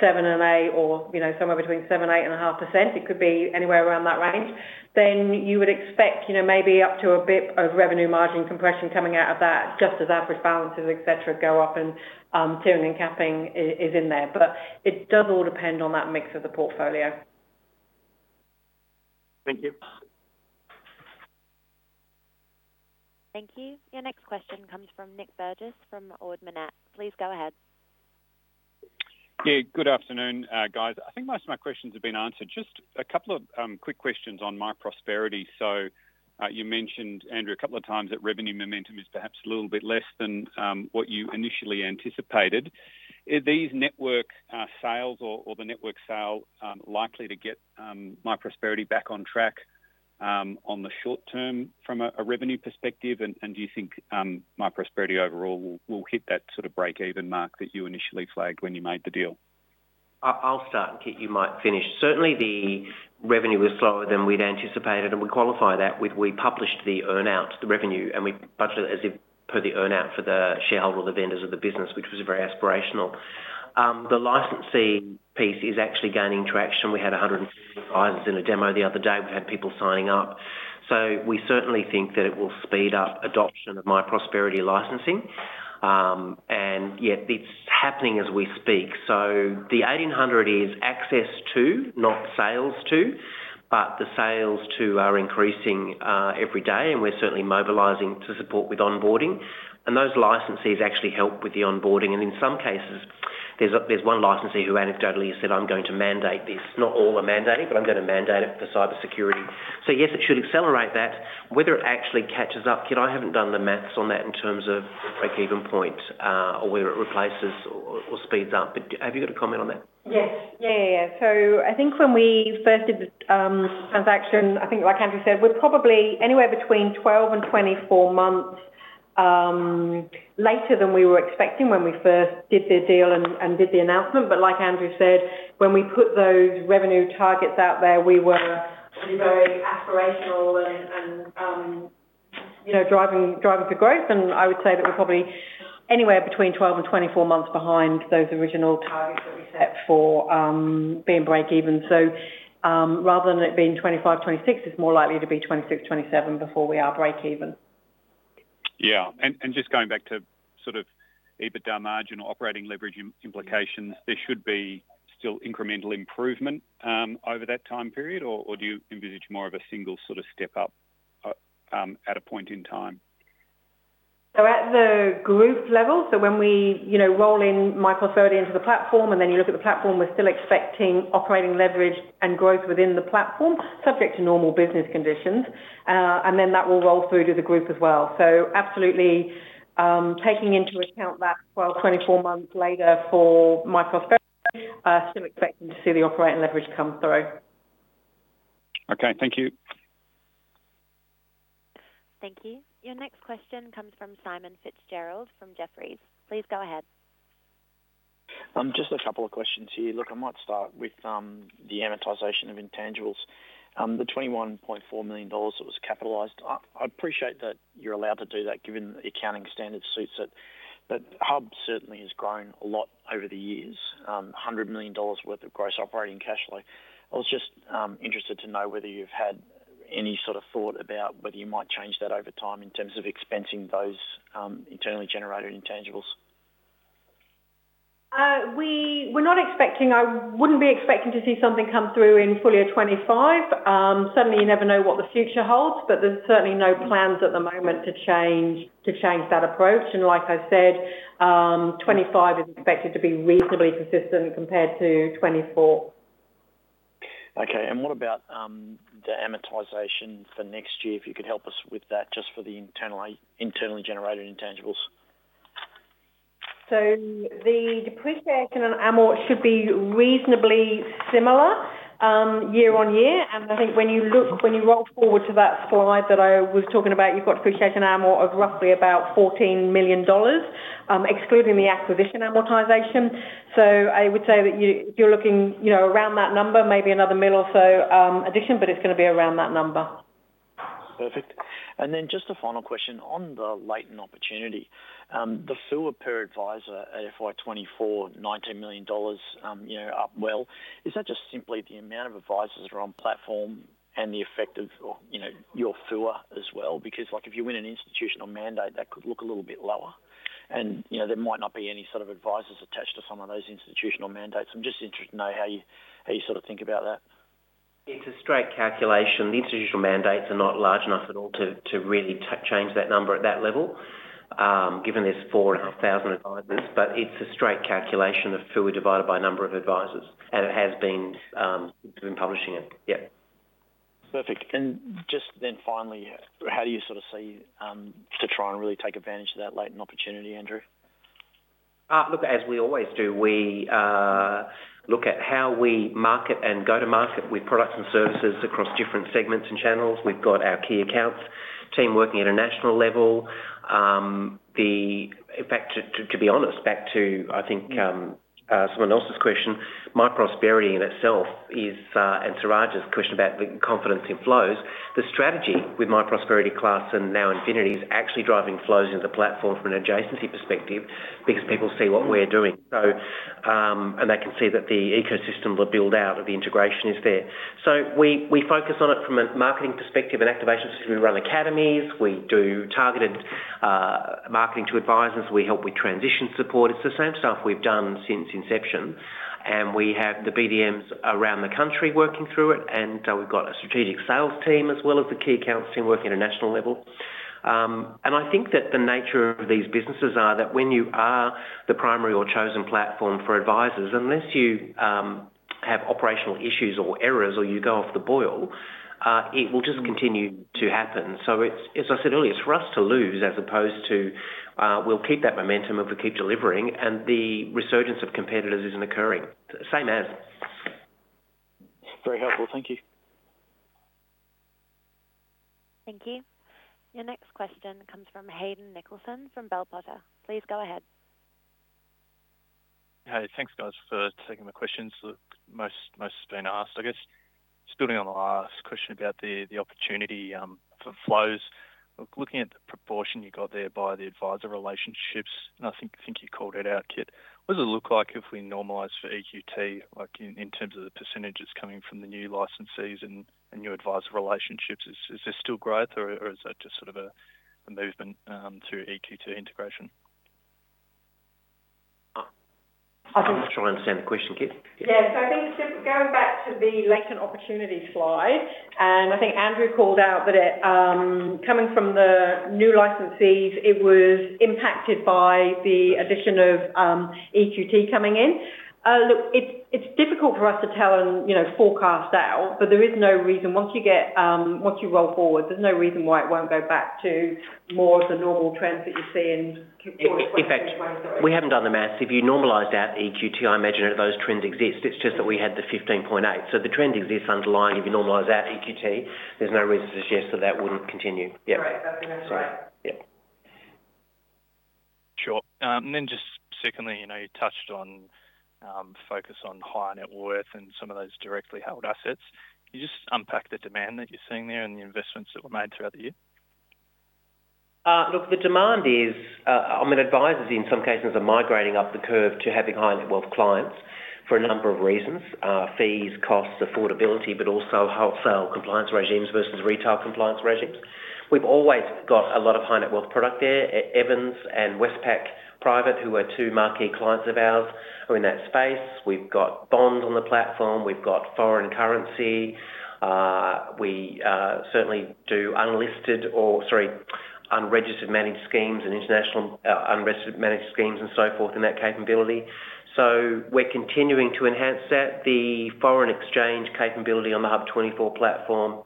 7% and 8% or, you know, somewhere between 7%-8.5%, it could be anywhere around that range, then you would expect, you know, maybe up to a bit of revenue margin compression coming out of that, just as average balances, et cetera, go up and tiering and capping is in there. But it does all depend on that mix of the portfolio. Thank you. Thank you. Your next question comes from Nick Burgess, from Ord Minnett. Please go ahead. Yeah, good afternoon, guys. I think most of my questions have been answered. Just a couple of quick questions on myprosperity. So, you mentioned, Andrew, a couple of times that revenue momentum is perhaps a little bit less than what you initially anticipated. Are these network sales or the network sale likely to get myprosperity back on track on the short term from a revenue perspective? And do you think myprosperity overall will hit that sort of break-even mark that you initially flagged when you made the deal? I'll start, and Kit, you might finish. Certainly, the revenue was slower than we'd anticipated, and we qualify that with we published the earn out, the revenue, and we budgeted as if per the earn out for the shareholder, the vendors of the business, which was very aspirational. The licensing piece is actually gaining traction. We had 150 buyers in a demo the other day. We had people signing up. So we certainly think that it will speed up adoption of myprosperity licensing. And yet it's happening as we speak. So the 1,800 is access to, not sales to, but the sales to are increasing every day, and we're certainly mobilizing to support with onboarding. And those licensees actually help with the onboarding. And in some cases, there's one licensee who anecdotally has said, "I'm going to mandate this. Not all are mandating, but I'm going to mandate it for cybersecurity." So yes, it should accelerate that. Whether it actually catches up, Kit, I haven't done the math on that in terms of break-even point, or where it replaces or speeds up. But have you got a comment on that? Yes. Yeah, yeah, yeah. So I think when we first did the transaction, I think like Andrew said, we're probably anywhere between 12 and 24 months later than we were expecting when we first did the deal and did the announcement. But like Andrew said, when we put those revenue targets out there, we were very aspirational and you know, driving for growth. And I would say that we're probably anywhere between twelve and twenty-four months behind those original targets that we set for being break even. So rather than it being 25, 26, it's more likely to be 26, 27 before we are break even. Yeah. And just going back to sort of EBITDA margin or operating leverage implications, there should be still incremental improvement over that time period, or do you envisage more of a single sort of step up at a point in time? So at the group level, so when we, you know, roll in myprosperity into the platform, and then you look at the platform, we're still expecting operating leverage and growth within the platform, subject to normal business conditions. And then that will roll through to the group as well. So absolutely, taking into account that well, 24 months later for myprosperity, still expecting to see the operating leverage come through. Okay, thank you. Thank you. Your next question comes from Simon Fitzgerald from Jefferies. Please go ahead. Just a couple of questions here. Look, I might start with the amortization of intangibles. The $21.4 million dollars that was capitalized, I appreciate that you're allowed to do that given the accounting standard suits it, but HUB certainly has grown a lot over the years, $100 million dollars worth of gross operating cash flow. I was just interested to know whether you've had any sort of thought about whether you might change that over time in terms of expensing those internally generated intangibles. We're not expecting. I wouldn't be expecting to see something come through in full year 25. Certainly, you never know what the future holds, but there's certainly no plans at the moment to change that approach. And like I said, 25 is expected to be reasonably consistent compared to 24. Okay. And what about the amortization for next year? If you could help us with that, just for the internally generated intangibles. So the depreciation and amort should be reasonably similar year-on-year. And I think when you roll forward to that slide that I was talking about, you've got depreciation and amort of roughly about $14 million, excluding the acquisition amortization. So I would say that you're looking you know around that number, maybe another million or so addition, but it's going to be around that number. Perfect. Then just a final question on the latent opportunity. The FUA per advisor, FY24, $19 million, you know, up well. Is that just simply the amount of advisors that are on platform and the effect of, or, you know, your FUA as well? Because, like, if you win an institutional mandate, that could look a little bit lower. And, you know, there might not be any sort of advisors attached to some of those institutional mandates. I'm just interested to know how you sort of think about that. It's a straight calculation. The institutional mandates are not large enough at all to really change that number at that level, given there's four and a half thousand advisors, but it's a straight calculation of FUA divided by number of advisors, and it has been publishing it. Yeah. Perfect. And just then finally, how do you sort of see, to try and really take advantage of that latent opportunity, Andrew? Look, as we always do, we look at how we market and go to market with products and services across different segments and channels. We've got our key accounts team working at a national level. In fact, to be honest, back to, I think, someone else's question, myprosperity in itself is, and Siraj's question about the confidence in flows, the strategy with myprosperity Class and NowInfinity is actually driving flows into the platform from an adjacency perspective because people see what we're doing. So, and they can see that the ecosystem, the build-out of the integration is there. So we focus on it from a marketing perspective and activation. We run academies, we do targeted marketing to advisors, we help with transition support. It's the same stuff we've done since inception, and we have the BDMs around the country working through it, and we've got a strategic sales team as well as the key accounts team working at a national level. And I think that the nature of these businesses are that when you are the primary or chosen platform for advisors, unless you have operational issues or errors or you go off the boil, it will just continue to happen. So it's, as I said earlier, it's for us to lose as opposed to we'll keep that momentum if we keep delivering, and the resurgence of competitors isn't occurring. Same as. Very helpful. Thank you. Thank you. Your next question comes from Hayden Nicholson, from Bell Potter. Please go ahead. Hey, thanks, guys, for taking my questions. Most have been asked. I guess, building on the last question about the opportunity for flows, looking at the proportion you got there by the advisor relationships, and I think you called it out, Kit. What does it look like if we normalize for EQT, like, in terms of the percentages coming from the new licensees and new advisor relationships? Is there still growth or is that just sort of a movement through EQT integration? I'm not sure I understand the question, Kit. Yeah. So I think just going back to the latent opportunity slide, and I think Andrew called out that it, coming from the new licensees, it was impacted by the addition of, EQT coming in. Look, it's difficult for us to tell and, you know, forecast out, but there is no reason, once you get, once you roll forward, there's no reason why it won't go back to more of the normal trends that you see in- In fact, we haven't done the math. If you normalize out EQT, I imagine that those trends exist. It's just that we had the fifteen point eight. So the trend exists underlying. If you normalize out EQT, there's no reason to suggest that that wouldn't continue. Yeah. Right. That's right. Yeah. Sure. And then just secondly, you know, you touched on focus on high net worth and some of those directly held assets. Can you just unpack the demand that you're seeing there and the investments that were made throughout the year?... Look, the demand is, I mean, advisors in some cases are migrating up the curve to having high-net-worth clients for a number of reasons: fees, costs, affordability, but also wholesale compliance regimes versus retail compliance regimes. We've always got a lot of high-net-worth product there. Evans and Westpac Private Bank, who are two marquee clients of ours, are in that space. We've got bonds on the platform, we've got foreign currency. We certainly do unlisted or, sorry, unregistered managed schemes and international unregistered managed schemes and so forth in that capability. So we're continuing to enhance that. The foreign exchange capability on the HUB24 platform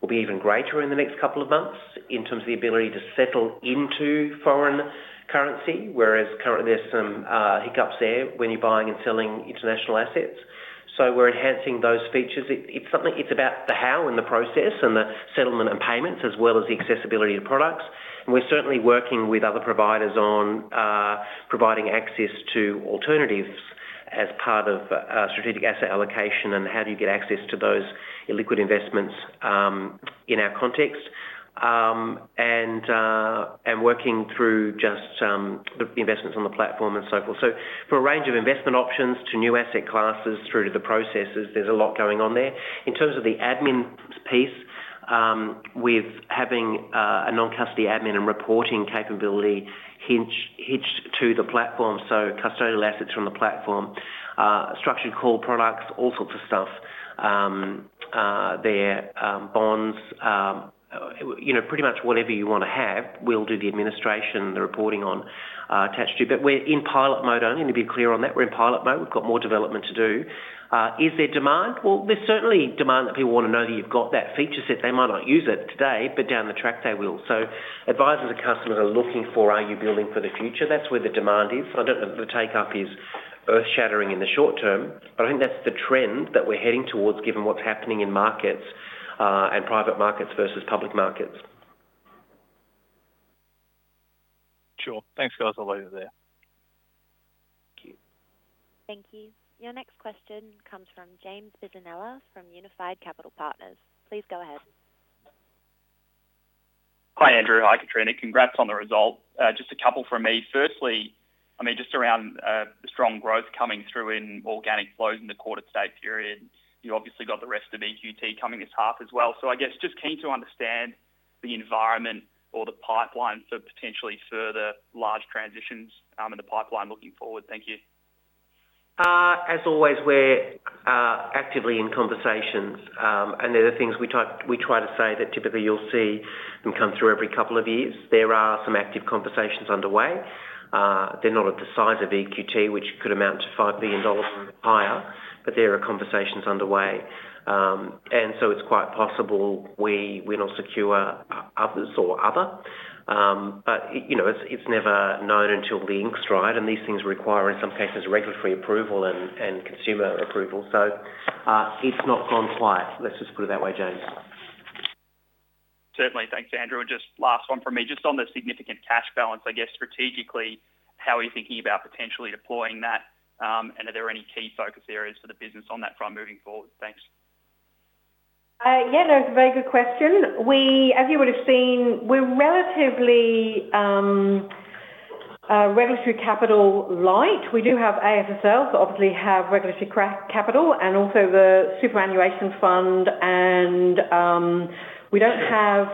will be even greater in the next couple of months in terms of the ability to settle into foreign currency, whereas currently there's some hiccups there when you're buying and selling international assets. So we're enhancing those features. It's something. It's about the how and the process and the settlement and payments, as well as the accessibility of products. And we're certainly working with other providers on providing access to alternatives as part of strategic asset allocation and how do you get access to those illiquid investments in our context. And working through just the investments on the platform and so forth. So from a range of investment options to new asset classes through to the processes, there's a lot going on there. In terms of the admin piece, with having a non-custody admin and reporting capability hitched to the platform, so custodial assets from the platform, structured call products, all sorts of stuff, bonds, you know, pretty much whatever you wanna have, we'll do the administration, the reporting on, attached to it. But we're in pilot mode only, to be clear on that. We're in pilot mode. We've got more development to do. Is there demand? Well, there's certainly demand that people wanna know that you've got that feature set. They might not use it today, but down the track, they will. So advisors and customers are looking for, are you building for the future? That's where the demand is. I don't know if the take-up is earth-shattering in the short term, but I think that's the trend that we're heading towards, given what's happening in markets, and private markets versus public markets. Sure. Thanks, guys. I'll leave it there. Thank you. Thank you. Your next question comes from James Bissonella from Unified Capital Partners. Please go ahead. Hi, Andrew. Hi, Katrina. Congrats on the result. Just a couple from me. Firstly, I mean, just around the strong growth coming through in organic flows in the quarter to date period, you obviously got the rest of EQT coming this half as well. So I guess, just keen to understand the environment or the pipeline for potentially further large transitions, in the pipeline looking forward. Thank you. As always, we're actively in conversations, and they're the things we try to say that typically you'll see them come through every couple of years. There are some active conversations underway. They're not of the size of EQT, which could amount to $5 billion or higher, but there are conversations underway. And so it's quite possible we'll secure others or other, but you know, it's never known until the ink's dry, and these things require, in some cases, regulatory approval and consumer approval. So it's not gone quiet. Let's just put it that way, James. Certainly. Thanks, Andrew, and just last one from me, just on the significant cash balance, I guess strategically, how are you thinking about potentially deploying that? And are there any key focus areas for the business on that front moving forward? Thanks. Yeah, that's a very good question. As you would have seen, we're relatively regulatory capital light. We do have AFSL, so obviously have regulatory capital and also the superannuation fund, and we don't have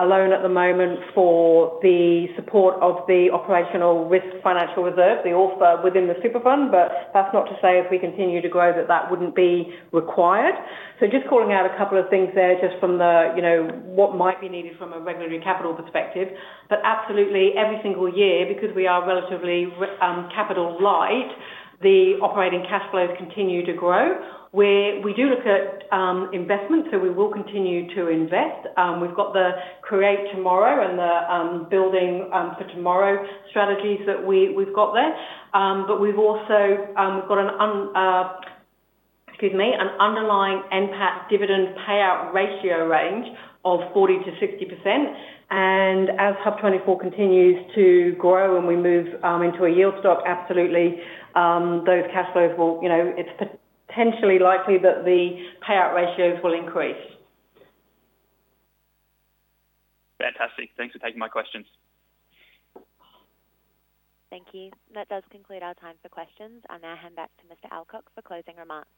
a loan at the moment for the support of the operational risk financial reserve, the OFR within the super fund, but that's not to say if we continue to grow, that that wouldn't be required. So just calling out a couple of things there, just from the, you know, what might be needed from a regulatory capital perspective. But absolutely, every single year, because we are relatively capital light, the operating cash flows continue to grow, where we do look at investment, so we will continue to invest. We've got the Create Tomorrow and the Building for Tomorrow strategies that we've got there. But we've also got an underlying NPAT dividend payout ratio range of 40%-60%. And as HUB24 continues to grow and we move into a yield stock, absolutely, those cash flows will, you know, it's potentially likely that the payout ratios will increase. Fantastic. Thanks for taking my questions. Thank you. That does conclude our time for questions. I'll now hand back to Mr. Alcock for closing remarks.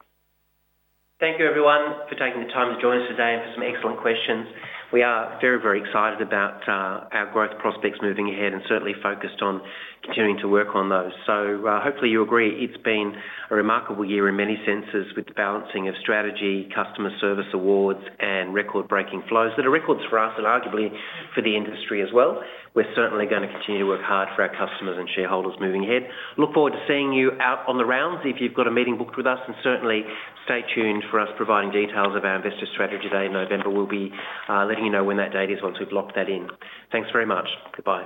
Thank you, everyone, for taking the time to join us today and for some excellent questions. We are very, very excited about our growth prospects moving ahead and certainly focused on continuing to work on those. So, hopefully, you agree it's been a remarkable year in many senses, with the balancing of strategy, customer service awards, and record-breaking flows. That are records for us and arguably for the industry as well. We're certainly gonna continue to work hard for our customers and shareholders moving ahead. Look forward to seeing you out on the rounds if you've got a meeting booked with us, and certainly stay tuned for us providing details of our investor strategy day in November. We'll be letting you know when that date is once we've locked that in. Thanks very much. Goodbye.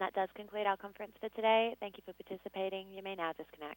That does conclude our conference for today. Thank you for participating. You may now disconnect.